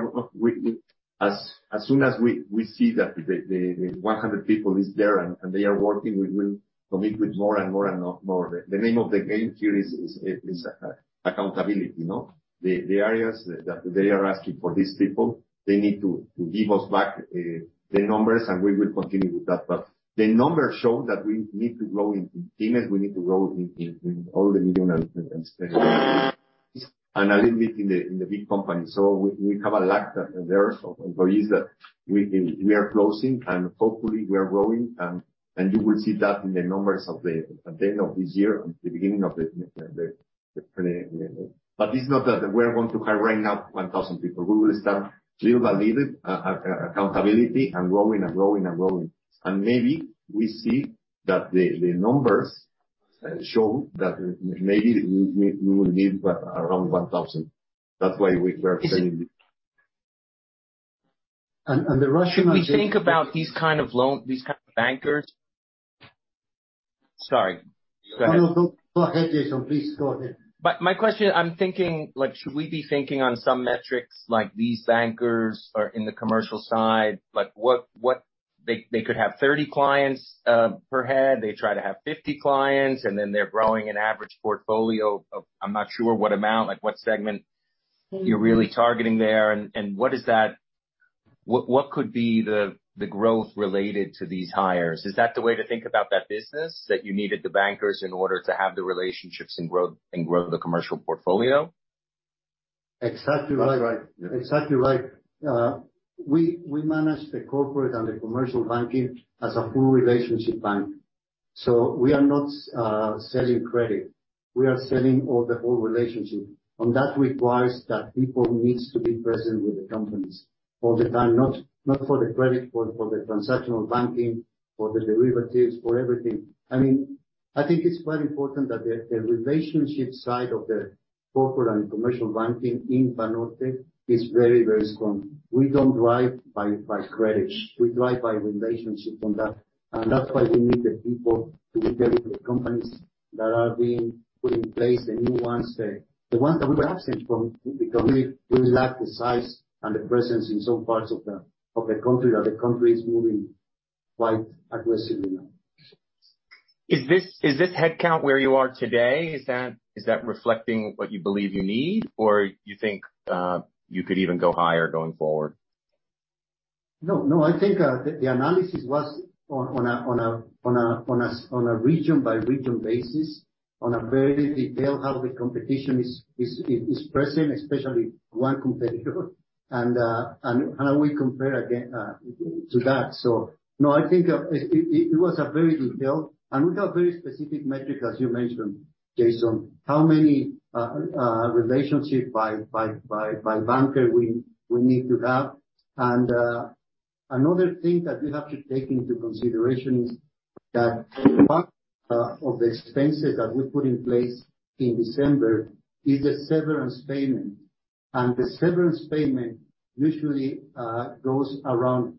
are. As soon as we see that the 100 people is there and they are working, we will commit with more and more and more. The name of the game here is accountability, you know? The areas that they are asking for these people, they need to give us back the numbers, and we will continue with that. The numbers show that we need to grow in teams, we need to grow in all the medium and small and a little bit in the big companies. We have a lack there of employees that we are closing, and hopefully we are growing. You will see that in the numbers of the, at the end of this year, the beginning of the... It's not that we're going to hire right now 1,000 people. We will start little by little, accountability and growing and growing and growing. Maybe we see that the numbers show that maybe we will need around 1,000. That's why we are planning it. The rationale- Should we think about these kind of loan, these kind of bankers? Sorry. Go ahead. No, no. Go ahead, Jason. Please go ahead. My question, I'm thinking, like, should we be thinking on some metrics like these bankers are in the commercial side? Like what? They could have 30 clients per head. They try to have 50 clients, and then they're growing an average portfolio of I'm not sure what amount, like what segment you're really targeting there, and what is that? What could be the growth related to these hires? Is that the way to think about that business, that you needed the bankers in order to have the relationships and grow the commercial portfolio? Exactly right. That's right. Yeah. Exactly right. We manage the corporate and the commercial banking as a full relationship bank. We are not selling credit. We are selling all the whole relationship. That requires that people needs to be present with the companies all the time, not for the credit, for the transactional banking, for the derivatives, for everything. I mean, I think it's very important that the relationship side of the corporate and commercial banking in Banorte is very, very strong. We don't drive by credits. We drive by relationships, and that's why we need the people to be there with the companies that are being put in place, the new ones, the ones that we lack the size and the presence in some parts of the country that the country is moving quite aggressively now. Is this headcount where you are today? Is that reflecting what you believe you need? Or you think you could even go higher going forward? No, no. I think the analysis was on a region-by-region basis. On a very detail how the competition is present, especially one competitor, and how we compare again to that. No, I think it was a very detailed and we have very specific metrics as you mentioned, Jason, how many relationship by banker we need to have. Another thing that we have to take into consideration is that part of the expenses that we put in place in December is the severance payment. The severance payment usually goes around,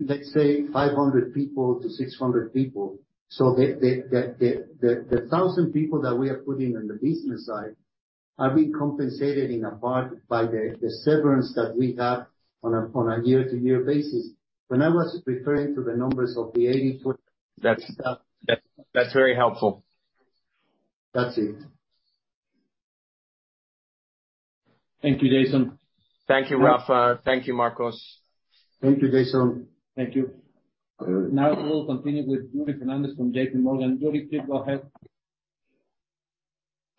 let's say 500 people to 600 people. The 1,000 people that we are putting on the business side are being compensated in a part by the severance that we have on a year-to-year basis. When I was referring to the numbers of the eighty-four-. That's very helpful. That's it. Thank you, Jason. Thank you, Rafa. Thank you, Marcos. Thank you, Jason. Thank you. Now we'll continue with Yuri Fernandes from JPMorgan. Yuri, please go ahead.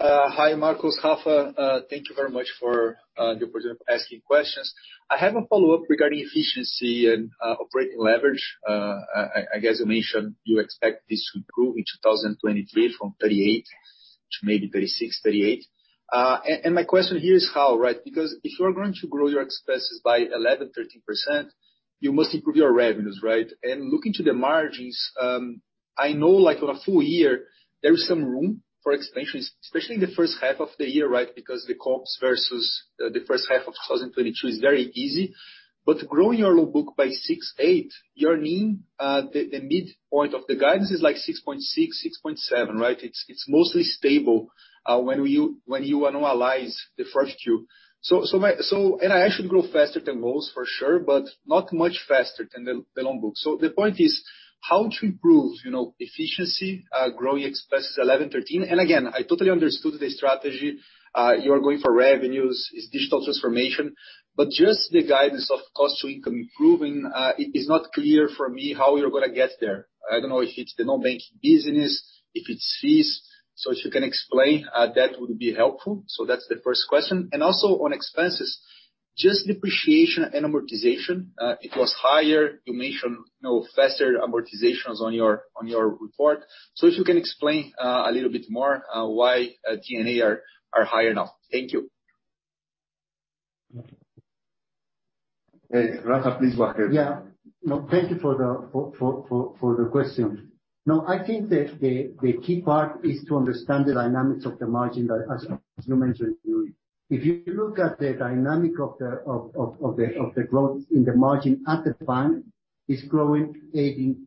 Hi, Marcos, Rafa, thank you very much for the opportunity of asking questions. I have a follow-up regarding efficiency and operating leverage. I guess you mentioned you expect this to improve in 2023 from 38% to maybe 36%-38%. My question here is how, right? Because if you are going to grow your expenses by 11%-13%, you must improve your revenues, right? Looking to the margins, I know like on a full year there is some room for expansions, especially in the first half of the year, right? Because the comps versus the first half of 2022 is very easy. Growing your loan book by 6%-8%, your mean, the midpoint of the guidance is like 6.6%-6.7%, right? It's mostly stable, when you annualize the first two. I should grow faster than most for sure, but not much faster than the loan book. The point is how to improve, you know, efficiency, growing expenses 11%, 13%. Again, I totally understood the strategy. You're going for revenues, it's digital transformation. Just the guidance of cost-to-income improving, it is not clear for me how you're gonna get there. I don't know if it's the non-bank business, if it's fees. If you can explain, that would be helpful. That's the first question. Also on expenses, just depreciation and amortization, it was higher. You mentioned, you know, faster amortizations on your report. If you can explain a little bit more why G&A are higher now. Thank you. Hey, Rafa, please go ahead. Yeah. No, thank you for the question. No, I think the key part is to understand the dynamics of the margin that as you mentioned, Yuri. If you look at the dynamic of the growth in the margin at the bank, it's growing 18%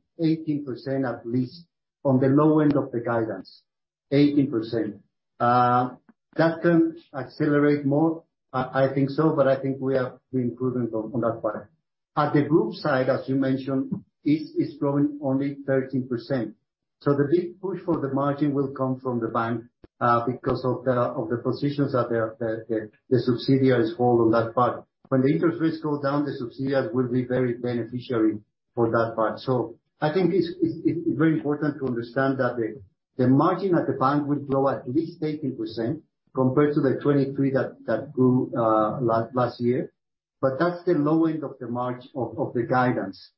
at least on the low end of the guidance. 18%. That can accelerate more, I think so, but I think we are improving on that part. At the group side, as you mentioned, it is growing only 13%. The big push for the margin will come from the bank because of the positions that the subsidiaries hold on that part. When the interest rates go down, the subsidiaries will be very beneficiary for that part. I think it's very important to understand that the margin at the bank will grow at least 18% compared to the 23 that grew last year. That's the low end of the margin of the guidance.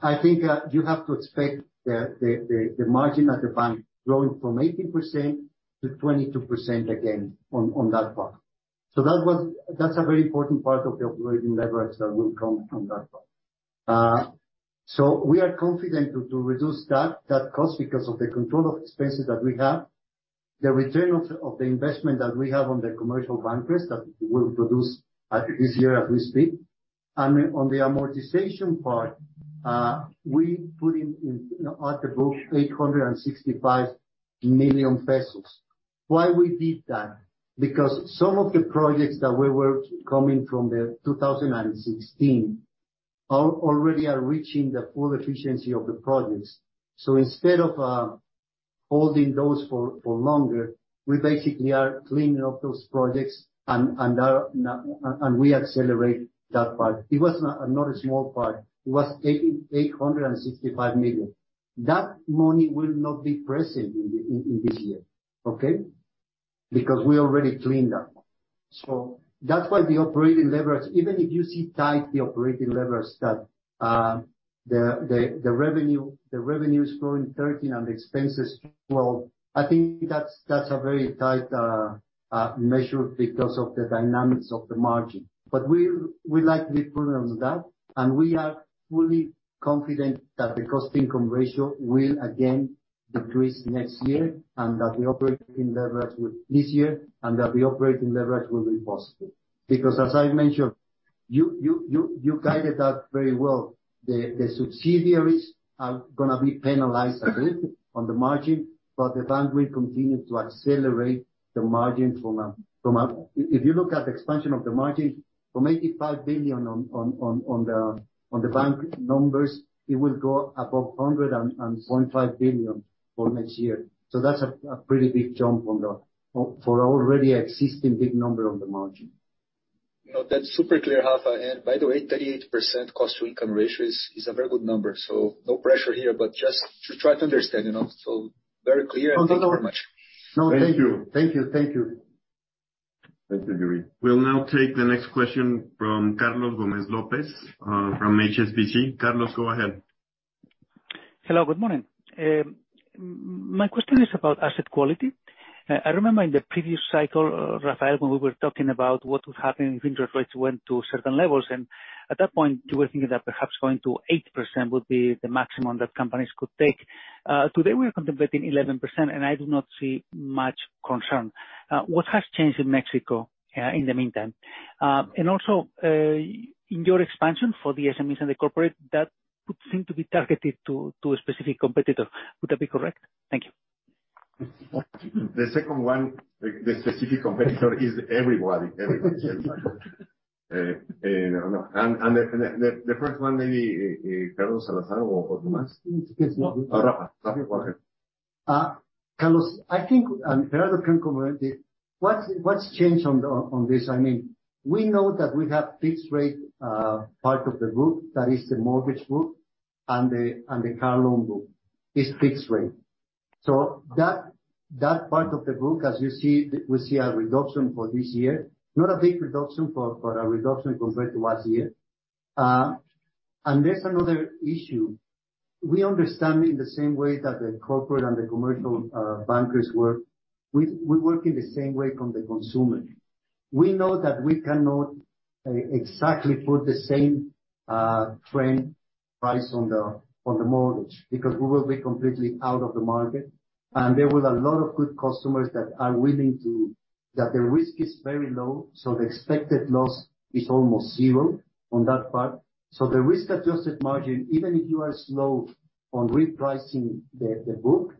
I think you have to expect the margin at the bank growing from 18% to 22% again on that part. That's a very important part of the operating leverage that will come from that part. We are confident to reduce that cost because of the control of expenses that we have, the return of the investment that we have on the commercial bankers that will produce at this year as we speak. On the amortization part, we put in, at the book 865 million pesos. Why we did that? Because some of the projects that we were coming from the 2016 already are reaching the full efficiency of the projects. Instead of holding those for longer, we basically are cleaning up those projects and we accelerate that part. It was not a small part. It was 865 million. That money will not be present in this year. Okay? Because we already cleaned that one. That's why the operating leverage, even if you see tight the operating leverage, that the revenue is growing 13 and the expenses grow, I think that's a very tight measure because of the dynamics of the margin. We likely improve on that, and we are fully confident that the cost-to-income ratio will again decrease next year, and that the operating leverage will this year, and that the operating leverage will be possible. As I mentioned, you guided that very well. The subsidiaries are gonna be penalized a little on the margin, but the bank will continue to accelerate the margin from a... If you look at the expansion of the margin from 85 billion on the bank numbers, it will go above 100.5 billion for next year. That's a pretty big jump from the already existing big number on the margin. You know, that's super clear, Rafa. By the way, 38% cost-to-income ratio is a very good number. No pressure here, but just to try to understand, you know. Very clear. No, no. Thank you very much. No, thank you. Thank you, thank you. Thank you, Yuri. We'll now take the next question from Carlos Gomez-Lopez, from HSBC. Carlos, go ahead. Hello, good morning. My question is about asset quality. I remember in the previous cycle, Rafael, when we were talking about what would happen if interest rates went to certain levels, and at that point, you were thinking that perhaps going to 8% would be the maximum that companies could take. Today, we are contemplating 11%, and I do not see much concern. What has changed in Mexico in the meantime? Also, in your expansion for the SMEs and the corporate, that would seem to be targeted to a specific competitor. Would that be correct? Thank you. The second one, the specific competitor is everybody. Everybody. The first one maybe Carlos Salazar or Gomez? Yes. Rafa. Rafa, go ahead. Carlos, I think, and Gerardo can comment. What's changed on the, on this? I mean, we know that we have fixed rate part of the group. That is the mortgage group and the car loan group is fixed rate. That part of the group, as you see, we see a reduction for this year, not a big reduction, but a reduction compared to last year. There's another issue. We understand in the same way that the corporate and the commercial bankers work, we work in the same way from the consumer. We know that we cannot exactly put the same frame price on the mortgage because we will be completely out of the market. There was a lot of good customers that are willing to... The risk is very low, the expected loss is almost zero on that part. The risk-adjusted margin, even if you are slow on repricing the book,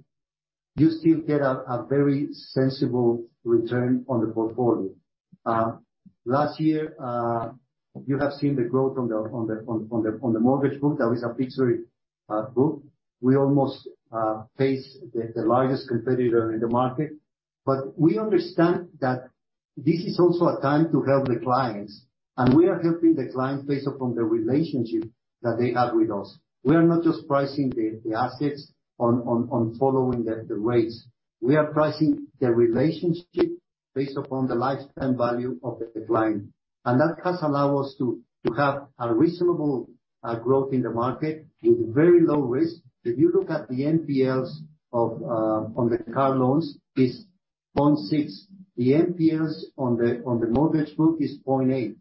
you still get a very sensible return on the portfolio. Last year, you have seen the growth on the mortgage book. Is a fixed rate book. We almost face the largest competitor in the market. We understand that this is also a time to help the clients, we are helping the clients based upon the relationship that they have with us. We are not just pricing the assets on following the rates. We are pricing the relationship based upon the lifetime value of the client. That has allowed us to have a reasonable growth in the market with very low risk. If you look at the NPLs on the car loans, is 0.6. The NPLs on the mortgage book is 0.8.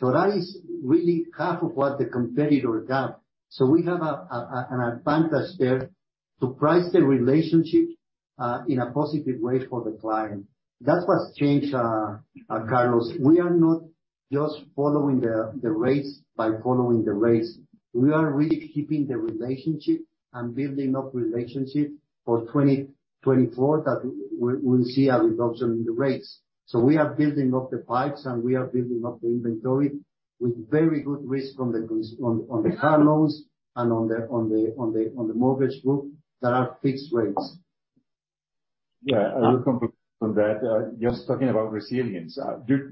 That is really half of what the competitor got. We have an advantage there to price the relationship in a positive way for the client. That's what's changed, Carlos. We are not just following the rates by following the rates. We are really keeping the relationship and building up relationship for 2024, that we'll see a reduction in the rates. we are building up the pipes, and we are building up the inventory with very good risk on the car loans and on the mortgage group that are fixed rates. Yeah, I will complete on that. Just talking about resilience.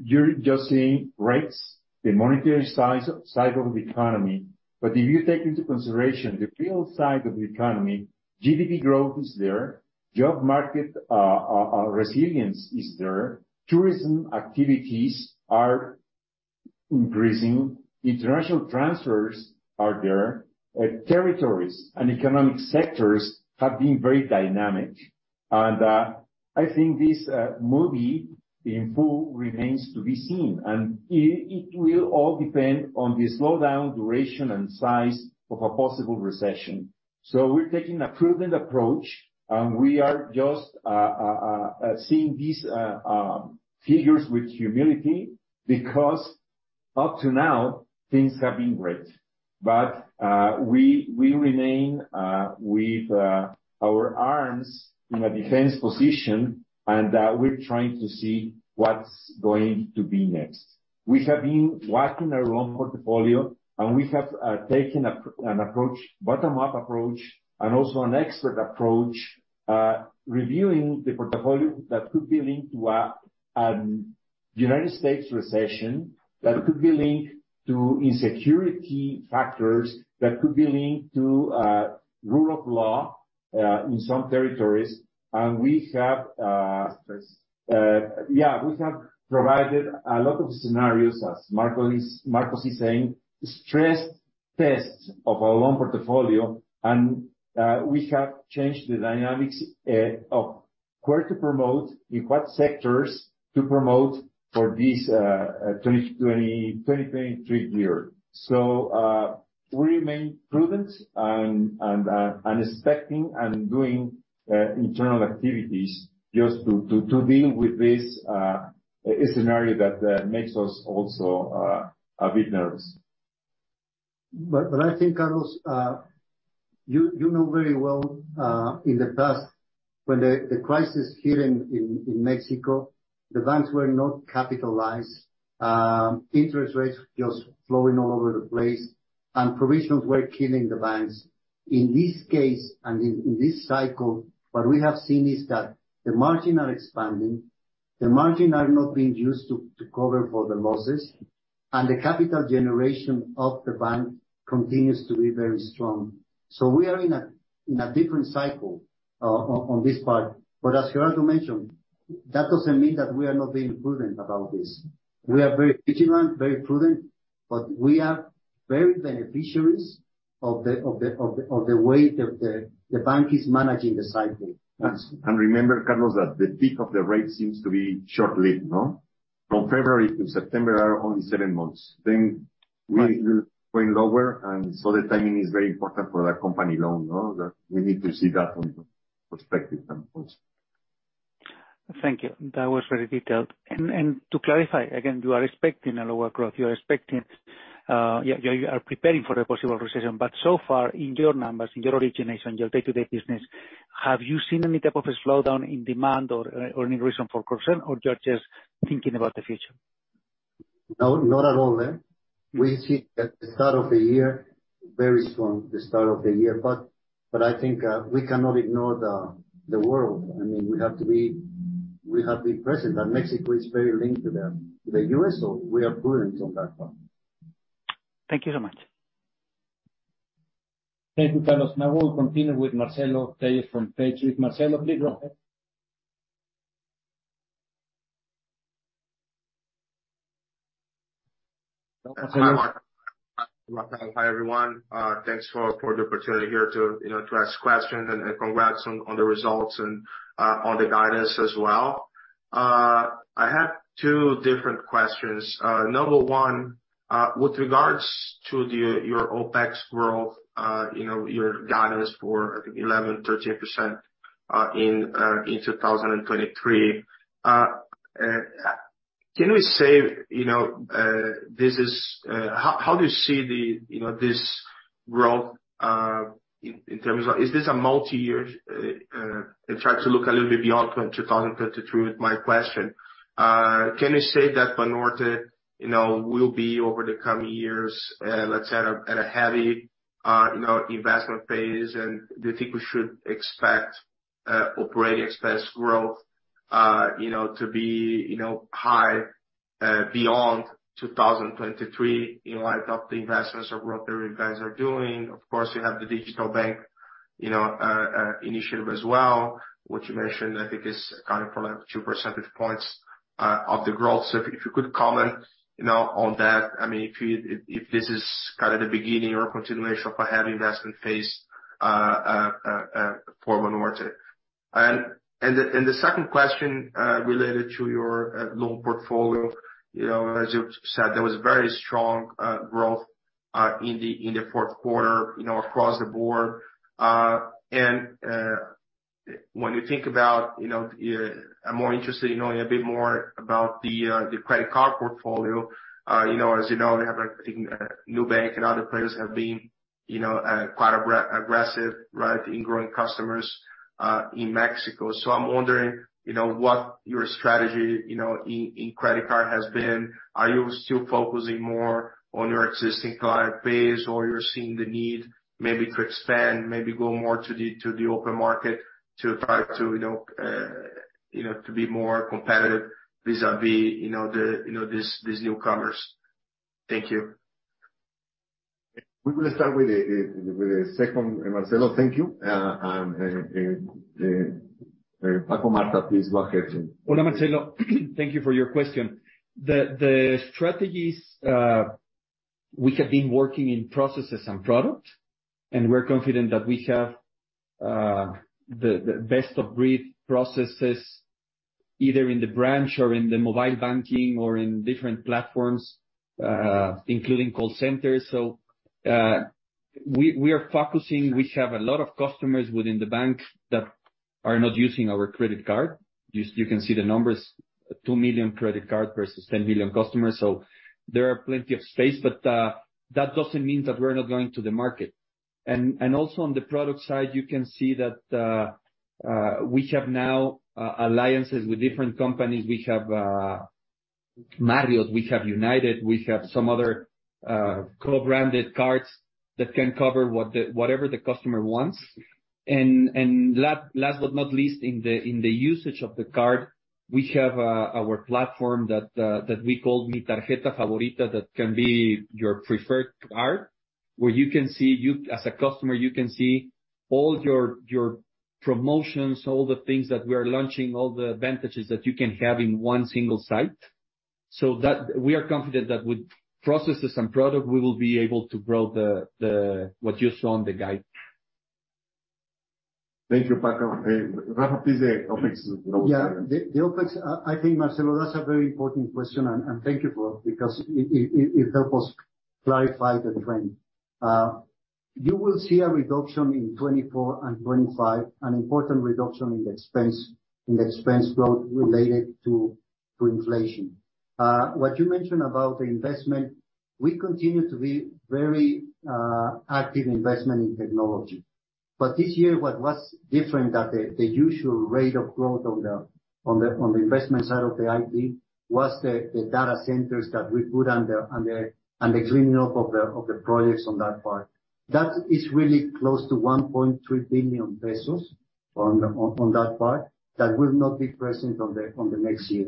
You're just seeing rates, the monetary side of the economy. If you take into consideration the real side of the economy, GDP growth is there, job market resilience is there, tourism activities are increasing, international transfers are there. Territories and economic sectors have been very dynamic. I think this movie in full remains to be seen, and it will all depend on the slowdown duration and size of a possible recession. We're taking a prudent approach, and we are just seeing these figures with humility because up to now, things have been great. We remain with our arms in a defense position, and we're trying to see what's going to be next. We have been watching our loan portfolio, and we have taken an approach, bottom-up approach and also an expert approach, reviewing the portfolio that could be linked to a United States recession, that could be linked to insecurity factors, that could be linked to rule of law in some territories. And we have. Stress. Yeah, we have provided a lot of scenarios, as Marcos is saying, stress tests of our loan portfolio. We have changed the dynamics of where to promote, in what sectors to promote for this 2023 year. We remain prudent and expecting and doing internal activities just to deal with this scenario that makes us also a bit nervous. I think, Carlos, you know very well, in the past, when the crisis hit in Mexico, the banks were not capitalized, interest rates just flowing all over the place, and provisions were killing the banks. In this case and in this cycle, what we have seen is that the margins are expanding, the margins are not being used to cover for the losses. The capital generation of the bank continues to be very strong. We are in a different cycle on this part. As Gerardo mentioned, that doesn't mean that we are not being prudent about this. We are very vigilant, very prudent, but we are very beneficiaries of the way the bank is managing the cycle. Yes. Remember, Carlos, that the peak of the rate seems to be shortly, no? From February to September are only seven months. We will going lower, and so the timing is very important for that company loan, no? We need to see that from perspective standpoint. Thank you. That was very detailed. To clarify, again, you are expecting a lower growth. You are expecting, Yeah, you are preparing for a possible recession. So far, in your numbers, in your origination, your day-to-day business, have you seen any type of a slowdown in demand or any reason for concern, or you're just thinking about the future? No, not at all. We see at the start of the year, very strong, the start of the year. I think, we cannot ignore the world. I mean, we have to be present, and Mexico is very linked to the U.S., so we are prudent on that part. Thank you so much. Thank you, Carlos. We'll continue with Marcelo Tellez from Partech. With Marcelo, please go ahead. Hi, Marcelo. Hi, everyone. Thanks for the opportunity here to, you know, to ask questions and congrats on the results and on the guidance as well. I have two different questions. Number one, with regards to your OPEX growth, you know, your guidance for 11%-13% in 2023, can we say, you know, how do you see the, you know, this growth in terms of? Is this a multi-year? And try to look a little bit beyond 2023 with my question. Can we say that Banorte, you know, will be over the coming years, let's say at a heavy, you know, investment phase? Do you think we should expect operating expense growth, you know, to be, you know, high, beyond 2023 in light of the investments or growth that you guys are doing? Of course, you have the digital bank, you know, initiative as well, which you mentioned, I think is accounting for like 2% points of the growth. If you could comment, you know, on that. I mean, if this is kind of the beginning or continuation of a heavy investment phase for Banorte. The second question, related to your loan portfolio. You know, as you said, there was very strong growth in the fourth quarter, you know, across the board. When you think about, you know, I'm more interested in knowing a bit more about the credit card portfolio. You know, as you know, we have, I think, Nubank and other players have been, you know, quite aggressive, right, in growing customers in Mexico. I'm wondering, you know, what your strategy, you know, in credit card has been. Are you still focusing more on your existing client base, or you're seeing the need maybe to expand, maybe go more to the open market to try to, you know, to be more competitive vis-à-vis, you know, the, you know, these newcomers? Thank you. We will start with the, with the second, Marcelo. Thank you. Paco Navarta, please go ahead. Hola, Marcelo. Thank you for your question. The strategies we have been working in processes and product, and we're confident that we have the best of breed processes, either in the branch or in the mobile banking or in different platforms, including call centers. We are focusing. We have a lot of customers within the bank that are not using our credit card. You can see the numbers, two million credit card versus 10 million customers, so there are plenty of space. That doesn't mean that we're not going to the market. Also on the product side, you can see that we have now alliances with different companies. We have Marriott, we have United, we have some other co-branded cards that can cover whatever the customer wants. Last but not least, in the usage of the card, we have our platform that we call Mi Tarjeta Favorita, that can be your preferred card, where you can see. As a customer, you can see all your promotions, all the things that we are launching, all the advantages that you can have in one single site. We are confident that with processes and product, we will be able to grow what you saw on the guide. Thank you, Paco. Hey, Rafa, please, the OpEx. Yeah. The OpEx, I think, Marcelo, that's a very important question, and thank you for it, because it help us clarify the trend. You will see a reduction in 24 and 25, an important reduction in the expense growth related to inflation. What you mentioned about the investment, we continue to be very active investment in technology. This year, what was different that the usual rate of growth on the investment side of the IT was the data centers that we put on the cleaning up of the projects on that part. That is really close to 1.3 billion pesos on that part. That will not be present on the next year.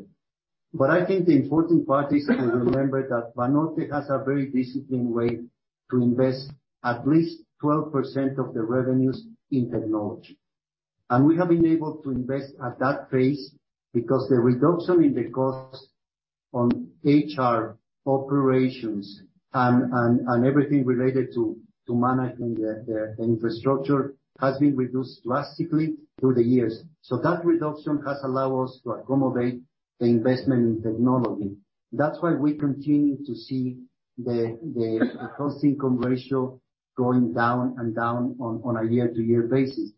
I think the important part is to remember that Banorte has a very disciplined way to invest at least 12% of the revenues in technology. We have been able to invest at that pace because the reduction in the costs on HR operations and everything related to managing the infrastructure has been reduced drastically through the years. That reduction has allowed us to accommodate the investment in technology. That's why we continue to see the cost-to-income ratio going down and down on a year-to-year basis.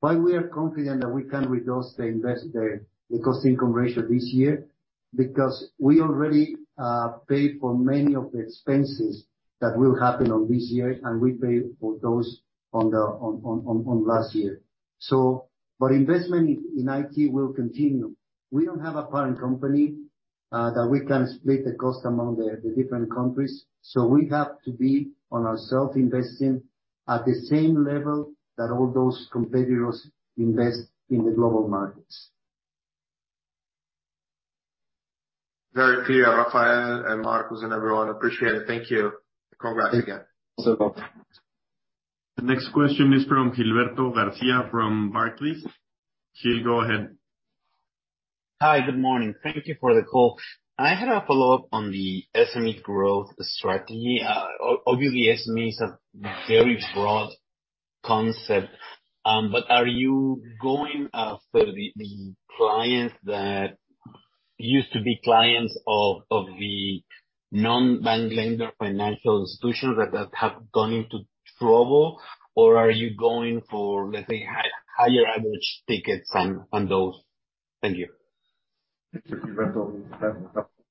Why we are confident that we can reduce the cost-to-income ratio this year, because we already paid for many of the expenses that will happen on this year, and we paid for those on last year. But investment in IT will continue. We don't have a parent company that we can split the cost among the different countries, so we have to be on ourself investing at the same level that all those competitors invest in the global markets. Very clear, Rafael and Marcos and everyone, appreciate it. Thank you. Congrats again. The next question is from Gilberto Garcia from Barclays. Gil, go ahead. Hi, good morning. Thank you for the call. I had a follow-up on the SME growth strategy. obviously SME is a very broad concept, but are you going for the clients that used to be clients of the non-bank lender financial institutions that have gone into trouble or are you going for, let's say, higher average tickets on those? Thank you.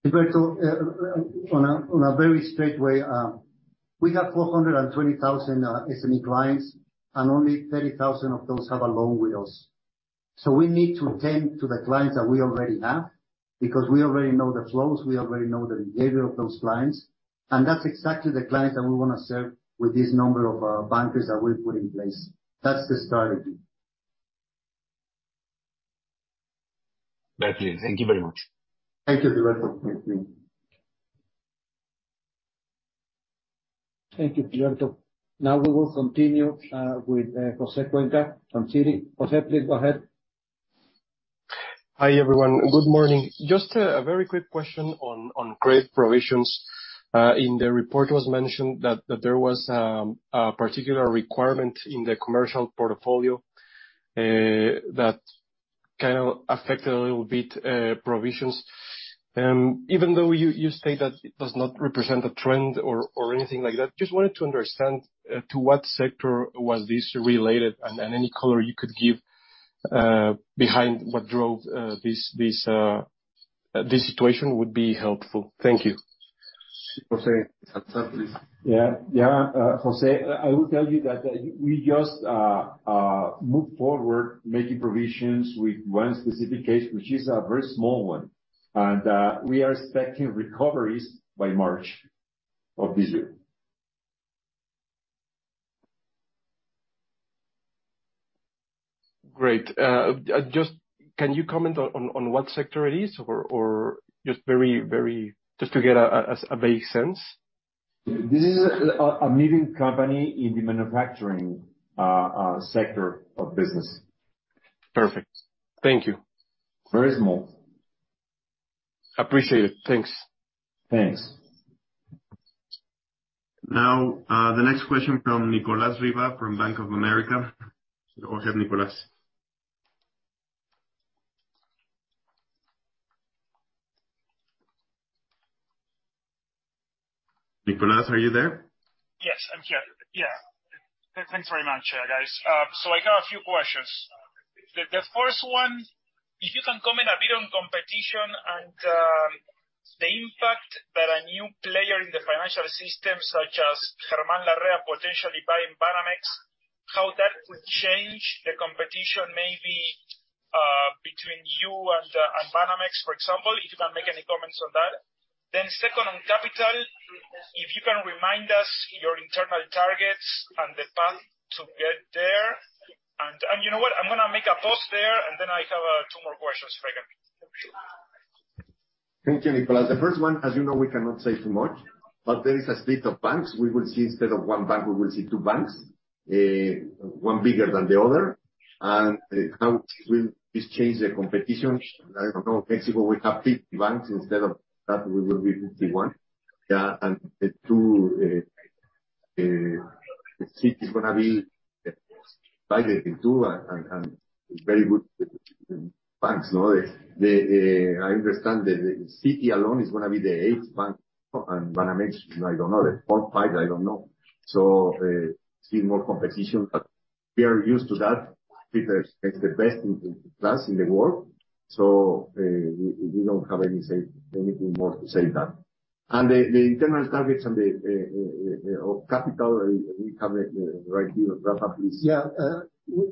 Gilberto, on a very straight way, we have 420,000 SME clients, and only 30,000 of those have a loan with us. We need to attend to the clients that we already have because we already know the flows, we already know the behavior of those clients, and that's exactly the clients that we wanna serve with this number of, bankers that we put in place. That's the strategy. Thank you. Thank you very much. Thank you, Gilberto. Thank you, Gilberto. Now we will continue with Jose Cuenca from Citi. Jose, please go ahead. Hi, everyone. Good morning. Just a very quick question on credit provisions. In the report it was mentioned that there was a particular requirement in the commercial portfolio that kind of affected a little bit provisions. Even though you state that it does not represent a trend or anything like that, just wanted to understand to what sector was this related and any color you could give behind what drove this situation would be helpful. Thank you. José Luis, please. Yeah. Yeah. José Luis, I will tell you that, we just moved forward making provisions with one specific case, which is a very small one. We are expecting recoveries by March of this year. Great. Just can you comment on what sector it is or just very... just to get a vague sense? This is a leading company in the manufacturing sector of business. Perfect. Thank you. Very small. Appreciate it. Thanks. Thanks. Now, the next question from Nicolas Riva from Bank of America. Go ahead, Nicolas. Nicolas, are you there? Yes, I'm here. Yeah. Thanks very much, guys. I got a few questions. The first one, if you can comment a bit on competition and the impact that a new player in the financial system, such as Germán Larrea potentially buying Banamex, how that would change the competition maybe between you and Banamex, for example. If you can make any comments on that. Second, on capital, if you can remind us your internal targets and the path to get there. You know what? I'm gonna make a pause there, and then I have two more questions for you. Thank you, Nicolas. The first one, as you know, we cannot say too much, but there is a split of banks. We will see instead of 1 bank, we will see two banks, one bigger than the other. How will this change the competition? I don't know. In Mexico, we have 50 banks. Instead of that, we will be 51. The two, Citi's gonna be divided in two and very good banks. You know, the I understand the Citi alone is gonna be the 8th bank. Banamex, you know, I don't know, the 4th, 5th, I don't know. Still more competition. We are used to that. Citi is the best in class in the world. We don't have anything more to say than that. The internal targets and the of capital, we have it right here, Rafa, please. Yeah.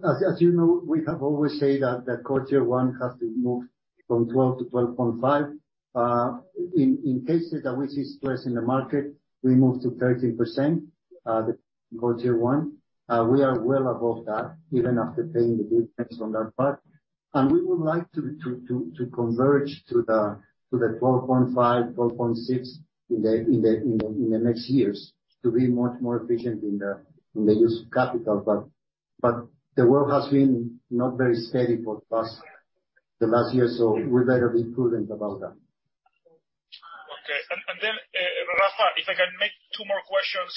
as you know, we have always said that the Core Tier 1 has to move from 12 to 12.5. in case that we see stress in the market, we move to 13% the Core Tier 1. we are well above that, even after paying the dividends on that part. we would like to converge to the 12.5, 12.6 in the next years to be much more efficient in the use of capital. the world has been not very steady for the past years, so we better be prudent about that. Okay. Rafa, if I can make two more questions.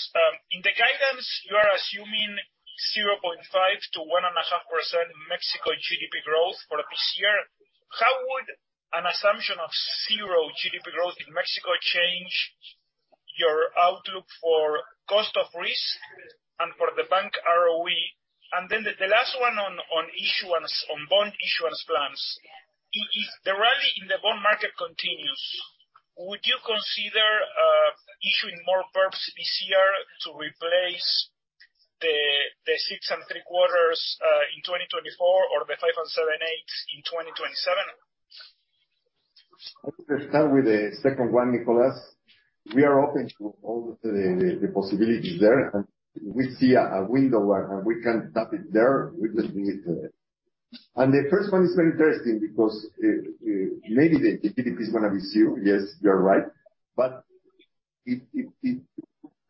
In the guidance, you are assuming 0.5%-1.5% Mexico GDP growth for this year. How would an assumption of 0 GDP growth in Mexico change your outlook for cost of risk and for the bank ROE? The last one on issuance, on bond issuance plans. If the rally in the bond market continues, would you consider issuing more perks this year to replace the six and three quarters in 2024 or the five and seven eights in 2027? Let me start with the second one, Nicolas. We are open to all the possibilities there. If we see a window where we can tap it there, we will do it. The first one is very interesting because maybe the GDP is gonna be 0. Yes, you are right.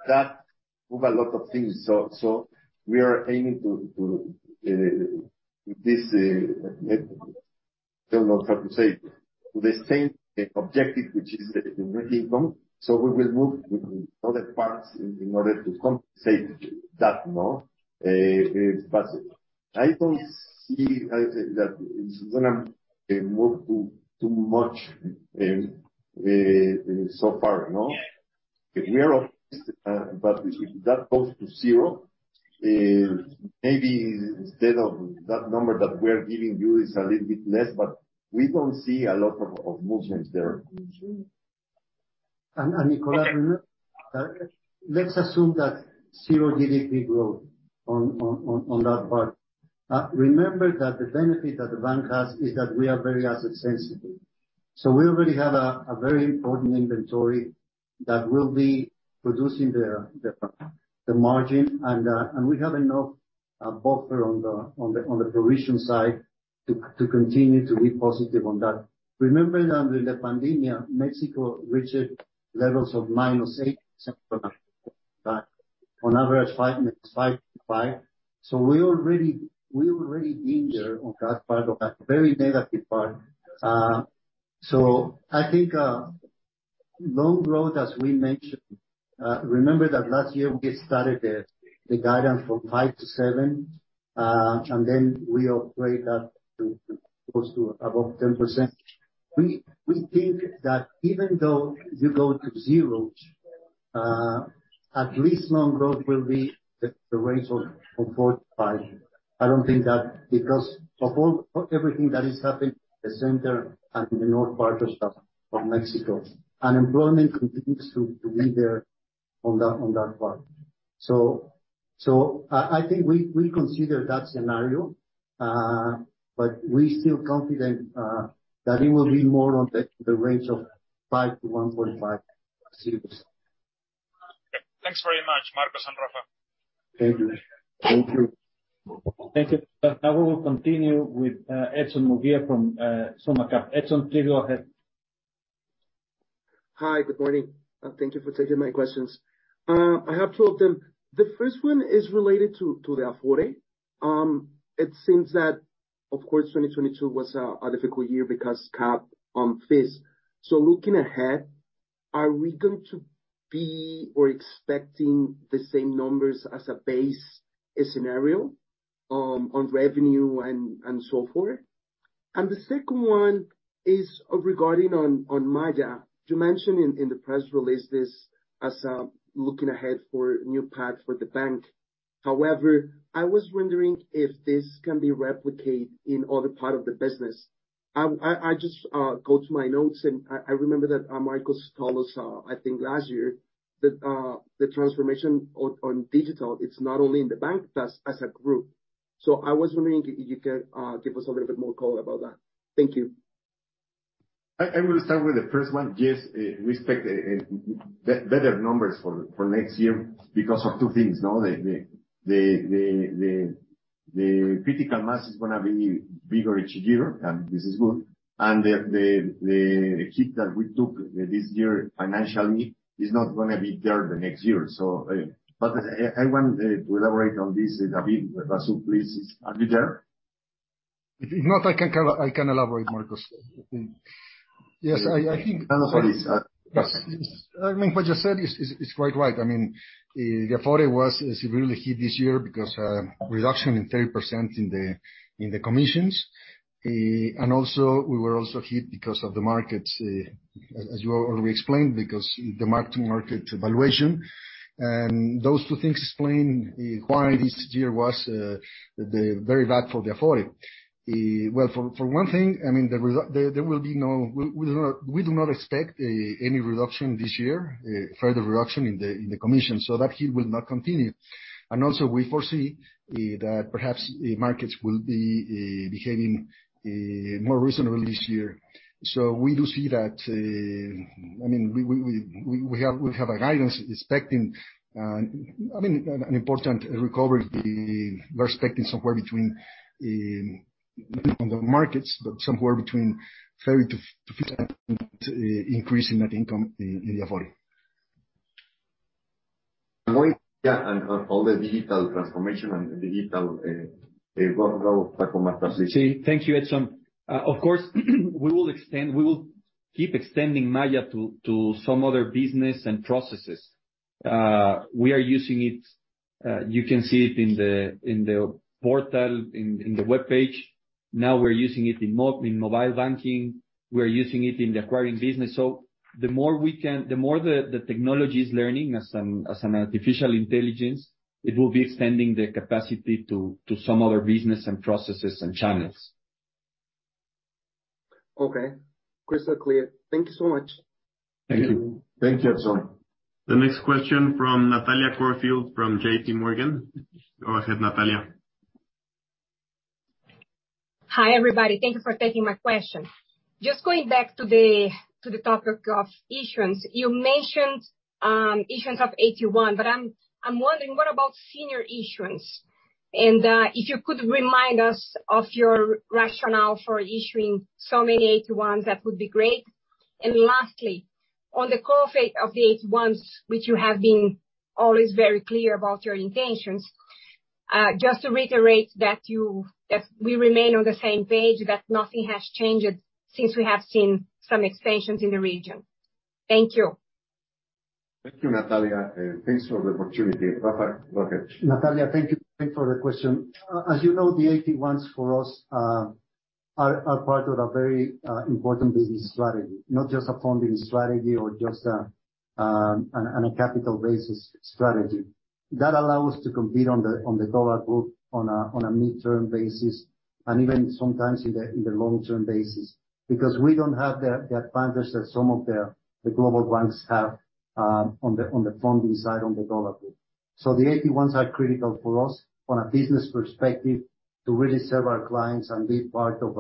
That move a lot of things, we are aiming to this don't know how to say, to the same objective, which is the recurring income. We will move with other parts in order to compensate that, no? I don't see that it's gonna move too much so far, no? We are open, but if that goes to zero, maybe instead of that number that we are giving you is a little bit less, but we don't see a lot of movements there. Nicolas, let's assume that 0 GDP growth on that part. Remember that the benefit that the bank has is that we are very asset sensitive. We already have a very important inventory that will be producing the margin. And we have enough buffer on the provision side to continue to be positive on that. Remember that with the pandemic, Mexico reached levels of -8%, but on average, 5.5%. We already been there on that part, on that very negative part. I think loan growth, as we mentioned, remember that last year we started the guidance from 5%-7%, and then we upgraded that to close to above 10%. We think that even though you go to zero, at least loan growth will be the range of 4%-5%. I don't think that because of all, everything that is happening in the center and in the north part of Mexico, unemployment continues to be there on that part. I think we consider that scenario, but we're still confident that it will be more on the range of 5%-1.50%. Thanks very much, Marcos and Rafa. Thank you. Thank you. Thank you. We will continue with Edson Nogueira from Summa Cap. Edson, please go ahead. Hi, good morning, and thank you for taking my questions. I have two of them. The first one is related to the Afore. It seems that of course, 2022 was a difficult year because cap on fees. Looking ahead, are we going to be or expecting the same numbers as a base, scenario, on revenue and so forth? The second one is regarding on Maya. You mentioned in the press release this as, looking ahead for new path for the bank. However, I was wondering if this can be replicate in other part of the business. I just, go to my notes and I remember that, Marcos told us, I think last year that, the transformation on digital, it's not only in the bank, but as a group. I was wondering if you could give us a little bit more color about that. Thank you. I will start with the first one. Yes, we expect better numbers for next year because of two things, no? The critical mass is gonna be bigger each year, and this is good. The hit that we took this year financially is not gonna be there the next year. I want to elaborate on this, David Beker please. Are you there? If not, I can come, I can elaborate, Marcos. Yes, I think. I know Beker is there. Yes. I mean, what you said is quite right. I mean, Afore was severely hit this year because reduction in 30% in the commissions. Also, we were also hit because of the markets, as you already explained, because the mark to market valuation. Those two things explain why this year was very bad for the affordability. Well, for one thing, I mean, We do not expect any reduction this year, further reduction in the commission, so that hit will not continue. Also, we foresee that perhaps the markets will be behaving more reasonably this year. We do see that. I mean, we have a guidance expecting, I mean, an important recovery. We're expecting somewhere between on the markets, but somewhere between 30%-50% increase in net income in the affordability. Yeah, and on all the digital transformation and digital global platform transition. Thank you, Edson. Of course, we will keep extending Maya to some other business and processes. We are using it, you can see it in the portal, in the webpage. Now we're using it in mobile banking. We are using it in the acquiring business. The more the technology is learning as an artificial intelligence, it will be extending the capacity to some other business and processes and channels. Okay. Crystal clear. Thank you so much. Thank you. Thank you, Edson. The next question from Natalia Corfield from JP Morgan. Go ahead, Natalia. Hi, everybody. Thank you for taking my question. Just going back to the topic of issuance. You mentioned issuance of AT1, but I'm wondering, what about senior issuance? If you could remind us of your rationale for issuing so many AT1s, that would be great. Lastly, on the call of the AT1s, which you have been always very clear about your intentions, just to reiterate that we remain on the same page, that nothing has changed since we have seen some expansions in the region. Thank you. Thank you, Natalia. Thanks for the opportunity. Rafa, go ahead. Natalia, thank you. Thank you for the question. As you know, the AT1s for us are part of a very important business strategy, not just a funding strategy or just a capital-based strategy. That allow us to compete on the dollar book on a midterm basis, and even sometimes in the long-term basis, because we don't have the advantage that some of the global banks have on the funding side on the dollar book. The AT1s are critical for us from a business perspective to really serve our clients and be part of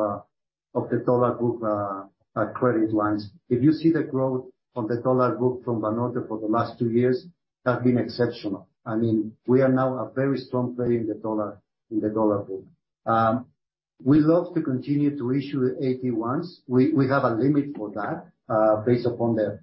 the dollar book credit lines. If you see the growth from the dollar book from Banorte for the last two years, have been exceptional. I mean, we are now a very strong player in the dollar, in the dollar book. We love to continue to issue AT1s. We have a limit for that, based upon the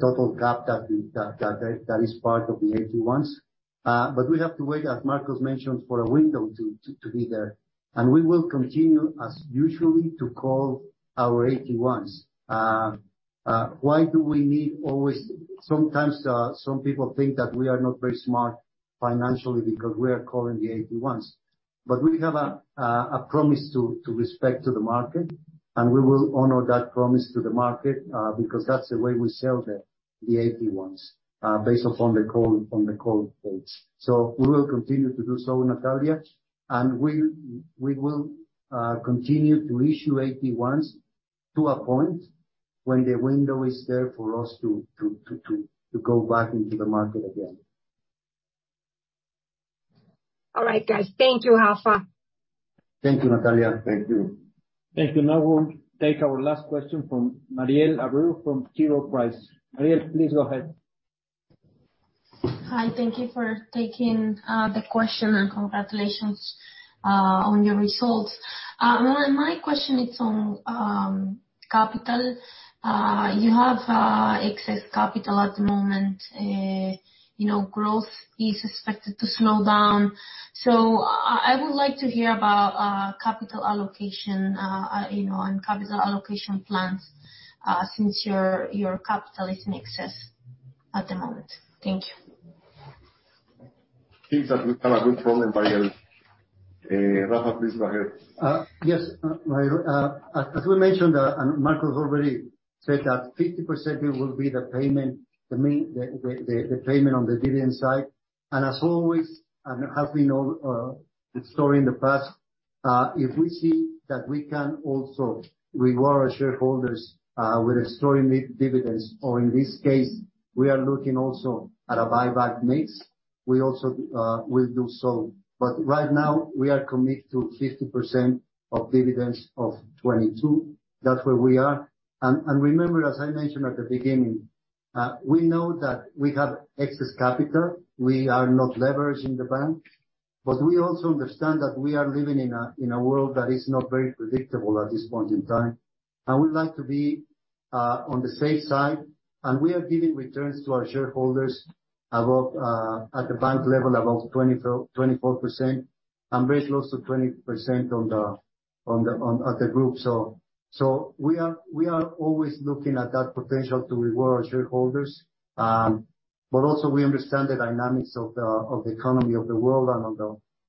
total cap that is part of the AT1s. We have to wait, as Marcos mentioned, for a window to be there. We will continue as usually to call our AT1s. Why do we need Sometimes, some people think that we are not very smart financially because we are calling the AT1s. We have a promise to respect to the market, we will honor that promise to the market, because that's the way we sell the AT1s, based upon the call, on the call dates. We will continue to do so, Natalia, and we will continue to issue AT1s to a point when the window is there for us to go back into the market again. All right, guys. Thank you, Rafa. Thank you, Natalia. Thank you. Thank you. Now we'll take our last question from Mariel Abreu from T. Rowe Price. Mariel, please go ahead. Hi. Thank you for taking the question, and congratulations on your results. My question is on capital. You have excess capital at the moment. You know, growth is expected to slow down. I would like to hear about capital allocation, you know, and capital allocation plans, since your capital is in excess at the moment. Thank you. Seems that we have a good problem, Mariel. Rafa, please go ahead. Yes, Mariel. As we mentioned, and Marcos already said that 50% will be the payment, the main payment on the dividend side. As always, as we know, the story in the past, if we see that we can also reward our shareholders with extraordinary dividends, or in this case, we are looking also at a buyback mix, we also will do so. Right now, we are committed to 50% of dividends of 2022. That's where we are. Remember, as I mentioned at the beginning, we know that we have excess capital. We are not leveraging the bank. We also understand that we are living in a world that is not very predictable at this point in time, and we like to be on the safe side. We are giving returns to our shareholders above at the bank level, above 24%, and very close to 20% at the group. We are always looking at that potential to reward shareholders. Also we understand the dynamics of the economy of the world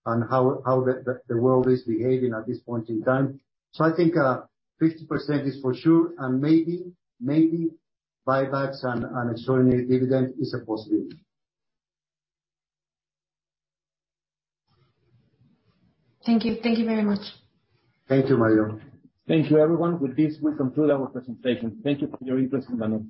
and how the world is behaving at this point in time. I think 50% is for sure, and maybe buybacks and extraordinary dividend is a possibility. Thank you. Thank you very much. Thank you, Mariel. Thank you, everyone. With this, we conclude our presentation. Thank you for your interest in Banorte.